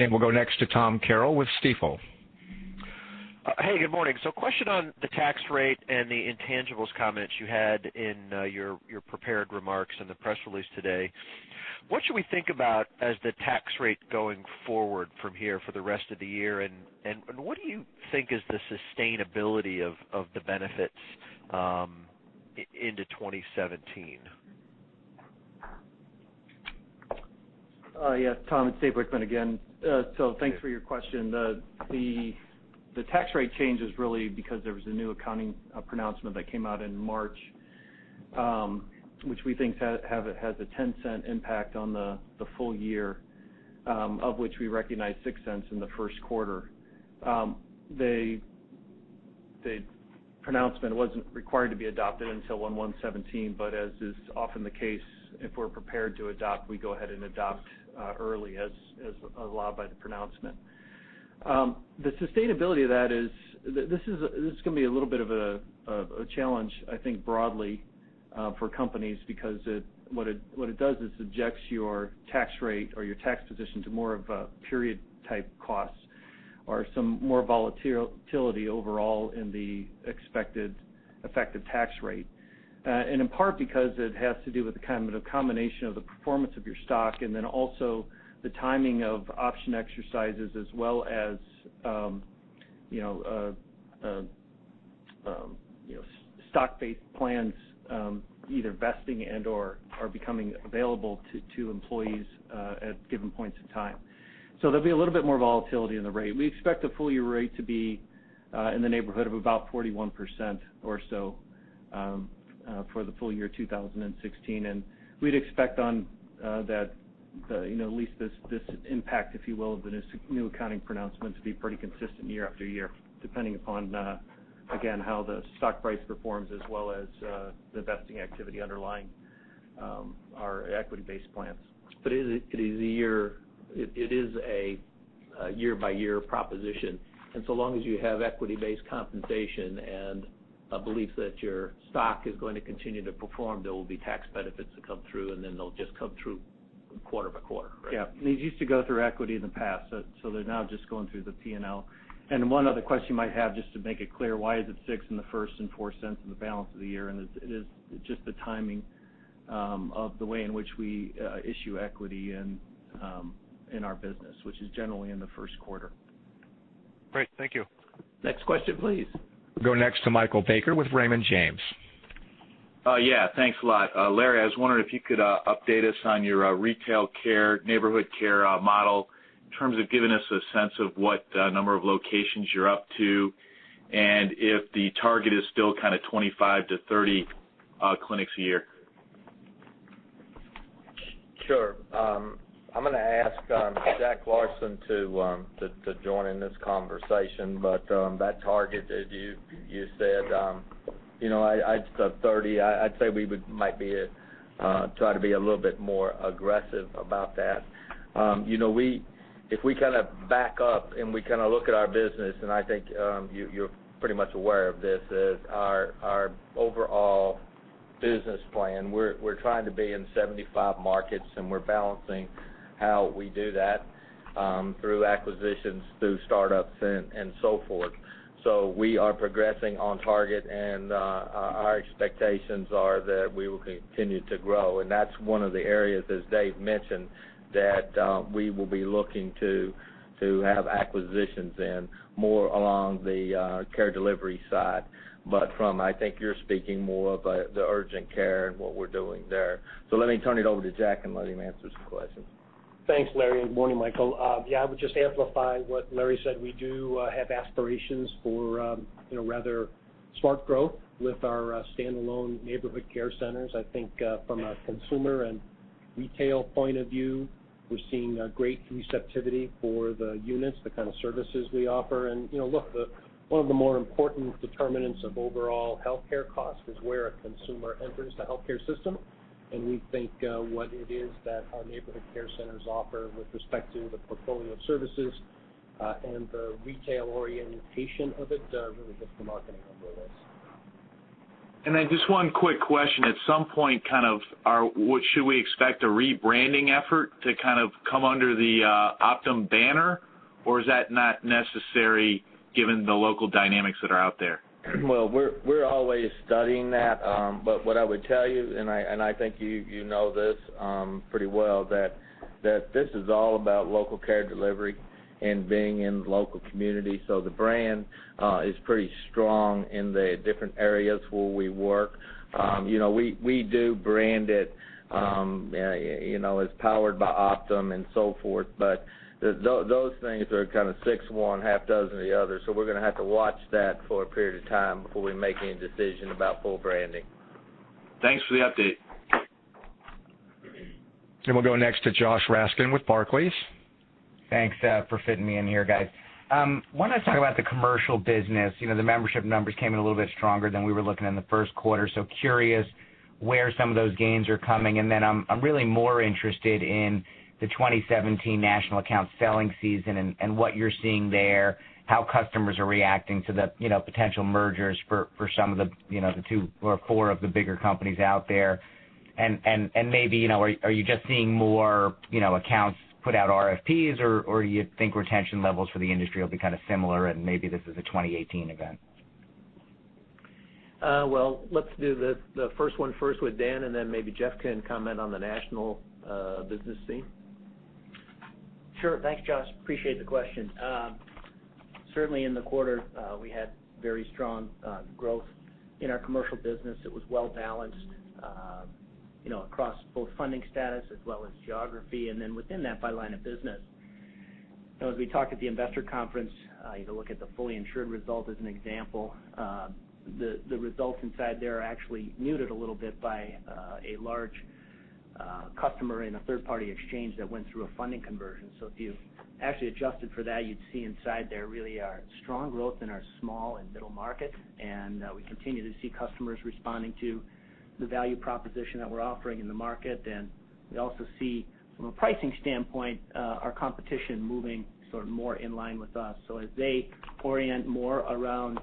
We'll go next to Thomas Carroll with Stifel. Hey, good morning. Question on the tax rate and the intangibles comments you had in your prepared remarks in the press release today. What should we think about as the tax rate going forward from here for the rest of the year, and what do you think is the sustainability of the benefits into 2017? Yes, Tom, it's Dave Wichmann again. Thanks for your question. The tax rate change is really because there was a new accounting pronouncement that came out in March, which we think has a $0.10 impact on the full year, of which we recognized $0.06 in the first quarter. The pronouncement wasn't required to be adopted until 1/1/2017, but as is often the case, if we're prepared to adopt, we go ahead and adopt early as allowed by the pronouncement. The sustainability of that is, this is going to be a little bit of a challenge, I think, broadly for companies, because what it does is subjects your tax rate or your tax position to more of a period-type cost or some more volatility overall in the expected effective tax rate. In part because it has to do with the combination of the performance of your stock, and then also the timing of option exercises, as well as stock-based plans, either vesting and/or are becoming available to employees at given points in time. There'll be a little bit more volatility in the rate. We expect the full year rate to be in the neighborhood of about 41% or so for the full year 2016. We'd expect on that at least this impact, if you will, of the new accounting pronouncement to be pretty consistent year after year, depending upon, again, how the stock price performs, as well as the vesting activity underlying our equity-based plans. It is a year-by-year proposition, and so long as you have equity-based compensation and a belief that your stock is going to continue to perform, there will be tax benefits that come through, and then they'll just come through quarter by quarter, right. Yeah. These used to go through equity in the past, so they're now just going through the P&L. One other question you might have, just to make it clear, why is it $0.06 in the first and $0.04 in the balance of the year, and it is just the timing of the way in which we issue equity in our business, which is generally in the first quarter. Great. Thank you. Next question, please. We'll go next to Michael Baker with Raymond James. Thanks a lot. Larry, I was wondering if you could update us on your retail care, neighborhood care model in terms of giving us a sense of what number of locations you're up to, and if the target is still kind of 25 to 30 clinics a year. Sure. I'm going to ask Jack Larsen to join in this conversation. That target, as you said, 30, I'd say we might try to be a little bit more aggressive about that. If we kind of back up and we look at our business, and I think you're pretty much aware of this, is our overall business plan. We're trying to be in 75 markets, and we're balancing how we do that through acquisitions, through startups, and so forth. We are progressing on target, and our expectations are that we will continue to grow. That's one of the areas, as Dave mentioned, that we will be looking to have acquisitions in more along the care delivery side. From, I think you're speaking more of the urgent care and what we're doing there. Let me turn it over to Jack and let him answer some questions. Thanks, Larry, and morning, Michael. I would just amplify what Larry said. We do have aspirations for rather smart growth with our standalone neighborhood care centers. I think from a consumer and retail point of view, we're seeing great receptivity for the units, the kind of services we offer. Look, one of the more important determinants of overall healthcare cost is where a consumer enters the healthcare system. We think what it is that our neighborhood care centers offer with respect to the portfolio of services, and the retail orientation of it really hits the mark on all those. Just one quick question. At some point, should we expect a rebranding effort to kind of come under the Optum banner? Is that not necessary given the local dynamics that are out there? Well, we're always studying that. What I would tell you, and I think you know this pretty well, that this is all about local care delivery and being in local communities. The brand is pretty strong in the different areas where we work. We do brand it as powered by Optum and so forth, but those things are kind of six of one, half dozen of the other. We're going to have to watch that for a period of time before we make any decision about full branding. Thanks for the update. We'll go next to Joshua Raskin with Barclays. Thanks for fitting me in here, guys. Wanted to talk about the commercial business. The membership numbers came in a little bit stronger than we were looking in the first quarter, so curious where some of those gains are coming, and then I'm really more interested in the 2017 national account selling season and what you're seeing there, how customers are reacting to the potential mergers for some of the two or four of the bigger companies out there. Maybe, are you just seeing more accounts put out RFPs, or you think retention levels for the industry will be kind of similar, and maybe this is a 2018 event? Well, let's do the first one first with Dan, and then maybe Jeff can comment on the national business scene. Sure. Thanks, Josh. Appreciate the question. Certainly in the quarter, we had very strong growth in our commercial business. It was well-balanced across both funding status as well as geography, and then within that, by line of business. As we talked at the investor conference, you look at the fully insured result as an example. The results inside there are actually muted a little bit by a large customer in a third-party exchange that went through a funding conversion. If you actually adjusted for that, you'd see inside there really our strong growth in our small and middle market, and we continue to see customers responding to the value proposition that we're offering in the market. We also see from a pricing standpoint, our competition moving sort of more in line with us. As they orient more around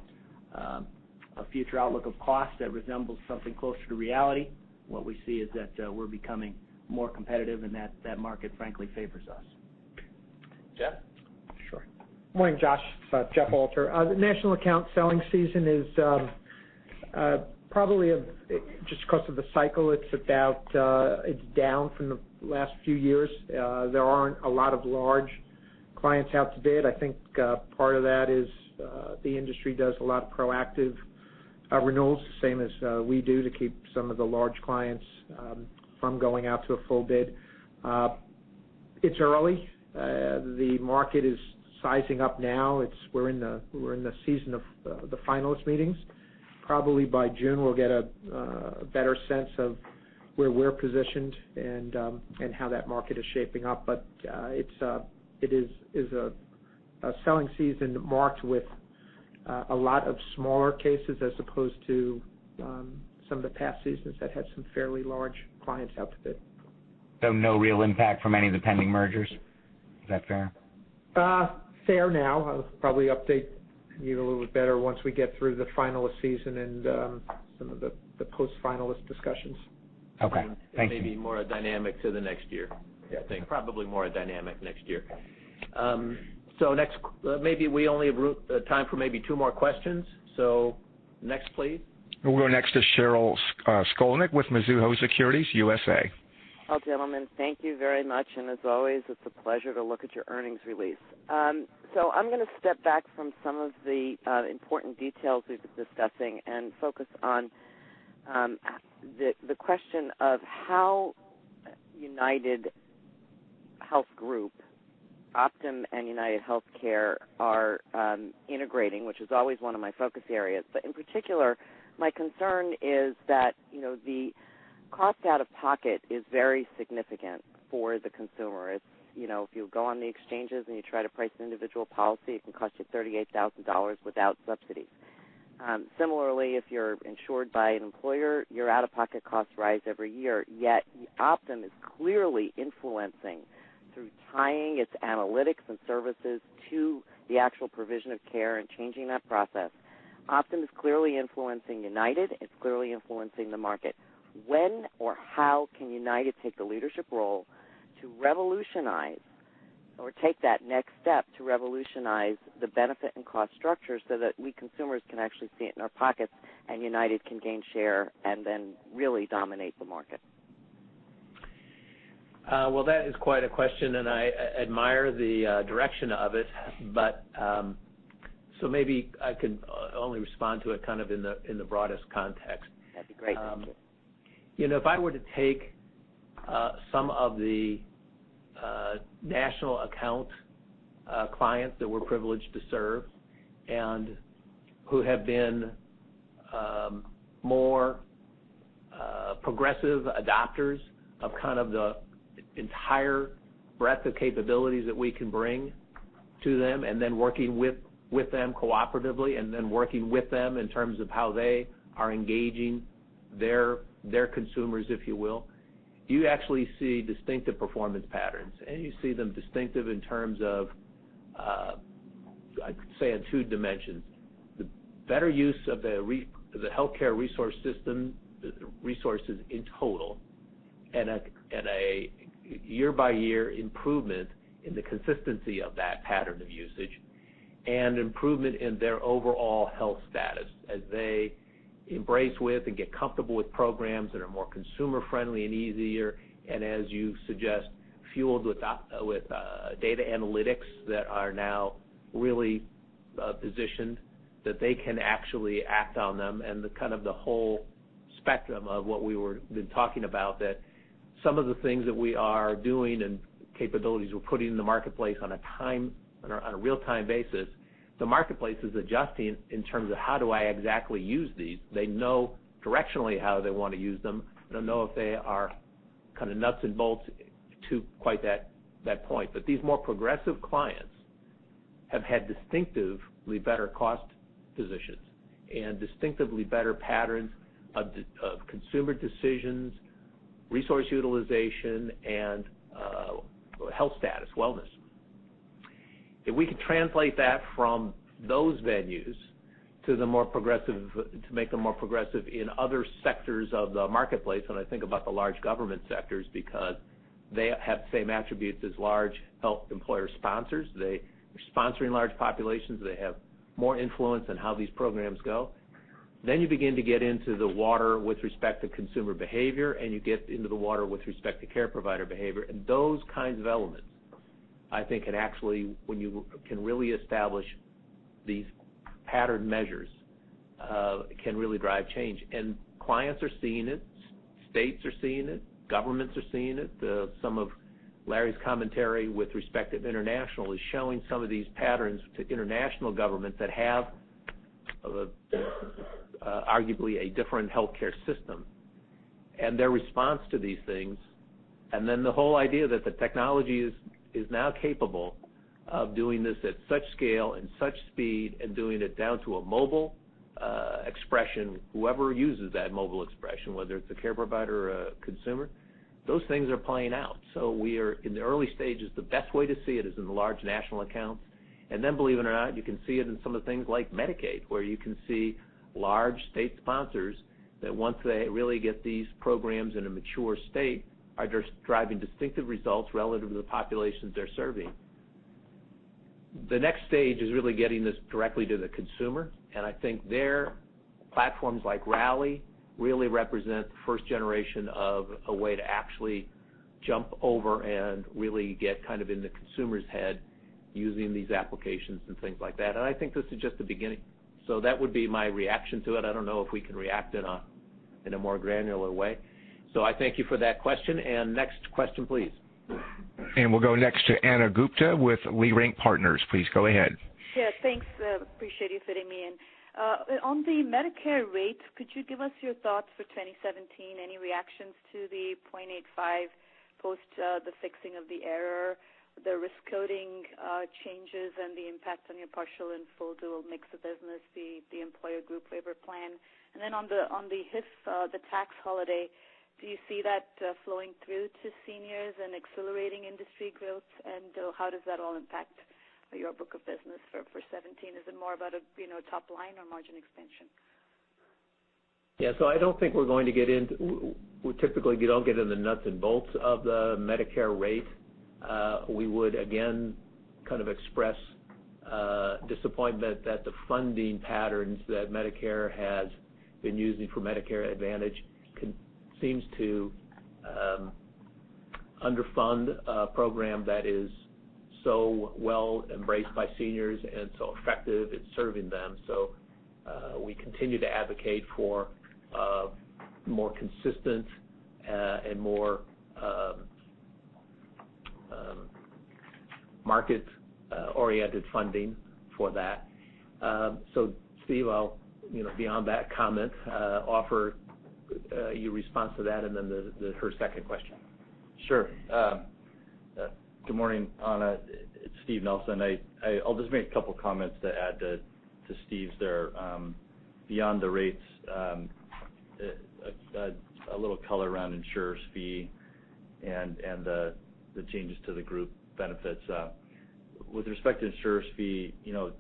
a future outlook of cost that resembles something closer to reality, what we see is that we're becoming more competitive, and that market frankly favors us. Jeff? Sure. Morning, Josh. It's Jeff Alter. The national account selling season is probably, just because of the cycle, it's down from the last few years. There aren't a lot of large clients out to bid. I think part of that is the industry does a lot of proactive renewals, the same as we do, to keep some of the large clients from going out to a full bid. It's early. The market is sizing up now. We're in the season of the finalist meetings. Probably by June, we'll get a better sense of where we're positioned and how that market is shaping up. It is a selling season marked with a lot of smaller cases as opposed to some of the past seasons that had some fairly large clients out to bid. No real impact from any of the pending mergers? Is that fair? Fair now. I'll probably update you a little bit better once we get through the finalist season and some of the post-finalist discussions. Okay. Thank you. Maybe more a dynamic to the next year, I think. Probably more a dynamic next year. Next, maybe we only have time for maybe two more questions. Next, please. We'll go next to Sheryl Skolnick with Mizuho Securities USA. Well, gentlemen, thank you very much. As always, it's a pleasure to look at your earnings release. I'm going to step back from some of the important details we've been discussing and focus on the question of how UnitedHealth Group, Optum, and UnitedHealthcare are integrating, which is always one of my focus areas. In particular, my concern is that the cost out of pocket is very significant for the consumer. If you go on the exchanges and you try to price an individual policy, it can cost you $38,000 without subsidies. Similarly, if you're insured by an employer, your out-of-pocket costs rise every year. Yet Optum is clearly influencing through tying its analytics and services to the actual provision of care and changing that process. Optum is clearly influencing United. It's clearly influencing the market. When or how can United take the leadership role to revolutionize or take that next step to revolutionize the benefit and cost structure so that we consumers can actually see it in our pockets and United can gain share and then really dominate the market? Well, that is quite a question, and I admire the direction of it. Maybe I can only respond to it kind of in the broadest context. That'd be great. Thank you. If I were to take some of the national account clients that we're privileged to serve and who have been more progressive adopters of kind of the entire breadth of capabilities that we can bring to them, then working with them cooperatively, then working with them in terms of how they are engaging their consumers, if you will, you actually see distinctive performance patterns. You see them distinctive in terms of, I'd say in two dimensions. The better use of the healthcare resource system resources in total, and a year-by-year improvement in the consistency of that pattern of usage, and improvement in their overall health status as they embrace with and get comfortable with programs that are more consumer-friendly and easier, and as you suggest, fueled with data analytics that are now really positioned that they can actually act on them and the kind of the whole spectrum of what we were talking about, that some of the things that we are doing and capabilities we're putting in the marketplace on a real-time basis. The marketplace is adjusting in terms of how do I exactly use these? They know directionally how they want to use them. They'll know if they are kind of nuts and bolts to quite that point. These more progressive clients have had distinctively better cost positions and distinctively better patterns of consumer decisions, resource utilization, and health status, wellness. If we can translate that from those venues to make them more progressive in other sectors of the marketplace, and I think about the large government sectors, because they have same attributes as large health employer sponsors. They are sponsoring large populations. They have more influence on how these programs go. You begin to get into the water with respect to consumer behavior, and you get into the water with respect to care provider behavior. Those kinds of elements, I think can actually, when you can really establish these pattern measures, can really drive change. Clients are seeing it, states are seeing it, governments are seeing it. Some of Larry's commentary with respect to international is showing some of these patterns to international governments that have arguably a different healthcare system and their response to these things. The whole idea that the technology is now capable of doing this at such scale and such speed and doing it down to a mobile expression, whoever uses that mobile expression, whether it's a care provider or a consumer, those things are playing out. We are in the early stages. The best way to see it is in the large national accounts. Then, believe it or not, you can see it in some of the things like Medicaid, where you can see large state sponsors that once they really get these programs in a mature state, are driving distinctive results relative to the populations they're serving. The next stage is really getting this directly to the consumer. I think there, platforms like Rally really represent the first generation of a way to actually jump over and really get in the consumer's head using these applications and things like that. I think this is just the beginning. That would be my reaction to it. I don't know if we can react in a more granular way. I thank you for that question. Next question, please. We'll go next to Ana Gupte with Leerink Partners. Please go ahead. Yeah, thanks. Appreciate you fitting me in. On the Medicare rate, could you give us your thoughts for 2017? Any reactions to the 0.85 post the fixing of the error, the risk coding changes, and the impact on your partial and full dual mix of business, the employer group waiver plan? Then on the HIF, the tax holiday, do you see that flowing through to seniors and accelerating industry growth? How does that all impact your book of business for 2017? Is it more about a top line or margin expansion? Yeah. I don't think we're going to get in the nuts and bolts of the Medicare rate. We would, again, express disappointment that the funding patterns that Medicare has been using for Medicare Advantage seems to underfund a program that is so well embraced by seniors and so effective at serving them. We continue to advocate for more consistent and more market-oriented funding for that. Steve, I'll, beyond that comment, offer your response to that and then her second question. Sure. Good morning, Ana. It's Steve Nelson. I'll just make a couple comments to add to Steve's there. Beyond the rates, a little color around insurer fee and the changes to the group benefits. With respect to insurer fee, to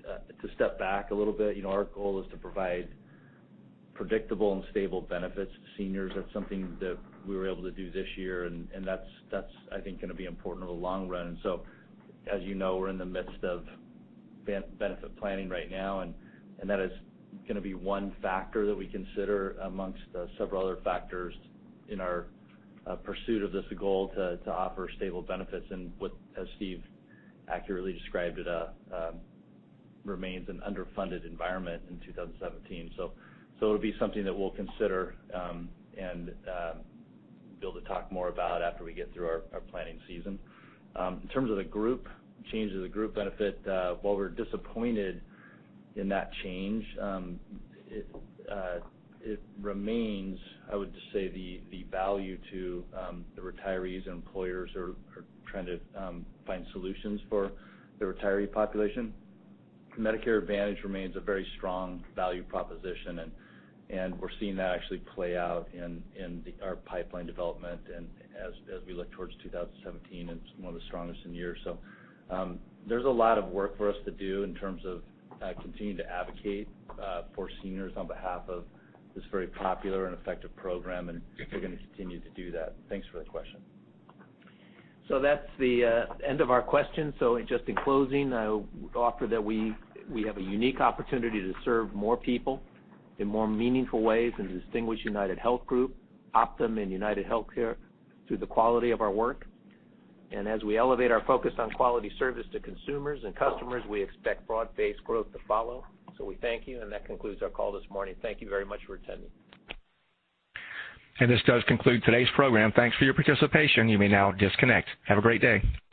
step back a little bit, our goal is to provide predictable and stable benefits to seniors. That's something that we were able to do this year, and that's, I think, going to be important over the long run. As you know, we're in the midst of benefit planning right now, and that is going to be one factor that we consider amongst several other factors in our pursuit of this goal to offer stable benefits. As Steve accurately described it remains an underfunded environment in 2017. It'll be something that we'll consider, and be able to talk more about after we get through our planning season. In terms of the group, changes to group benefit, while we're disappointed in that change, it remains, I would just say, the value to the retirees and employers who are trying to find solutions for the retiree population. Medicare Advantage remains a very strong value proposition, and we're seeing that actually play out in our pipeline development and as we look towards 2017, it's one of the strongest in years. There's a lot of work for us to do in terms of continuing to advocate for seniors on behalf of this very popular and effective program, and we're going to continue to do that. Thanks for the question. That's the end of our questions. Just in closing, I offer that we have a unique opportunity to serve more people in more meaningful ways in the distinguished UnitedHealth Group, Optum and UnitedHealthcare through the quality of our work. As we elevate our focus on quality service to consumers and customers, we expect broad-based growth to follow. We thank you, and that concludes our call this morning. Thank you very much for attending. This does conclude today's program. Thanks for your participation. You may now disconnect. Have a great day.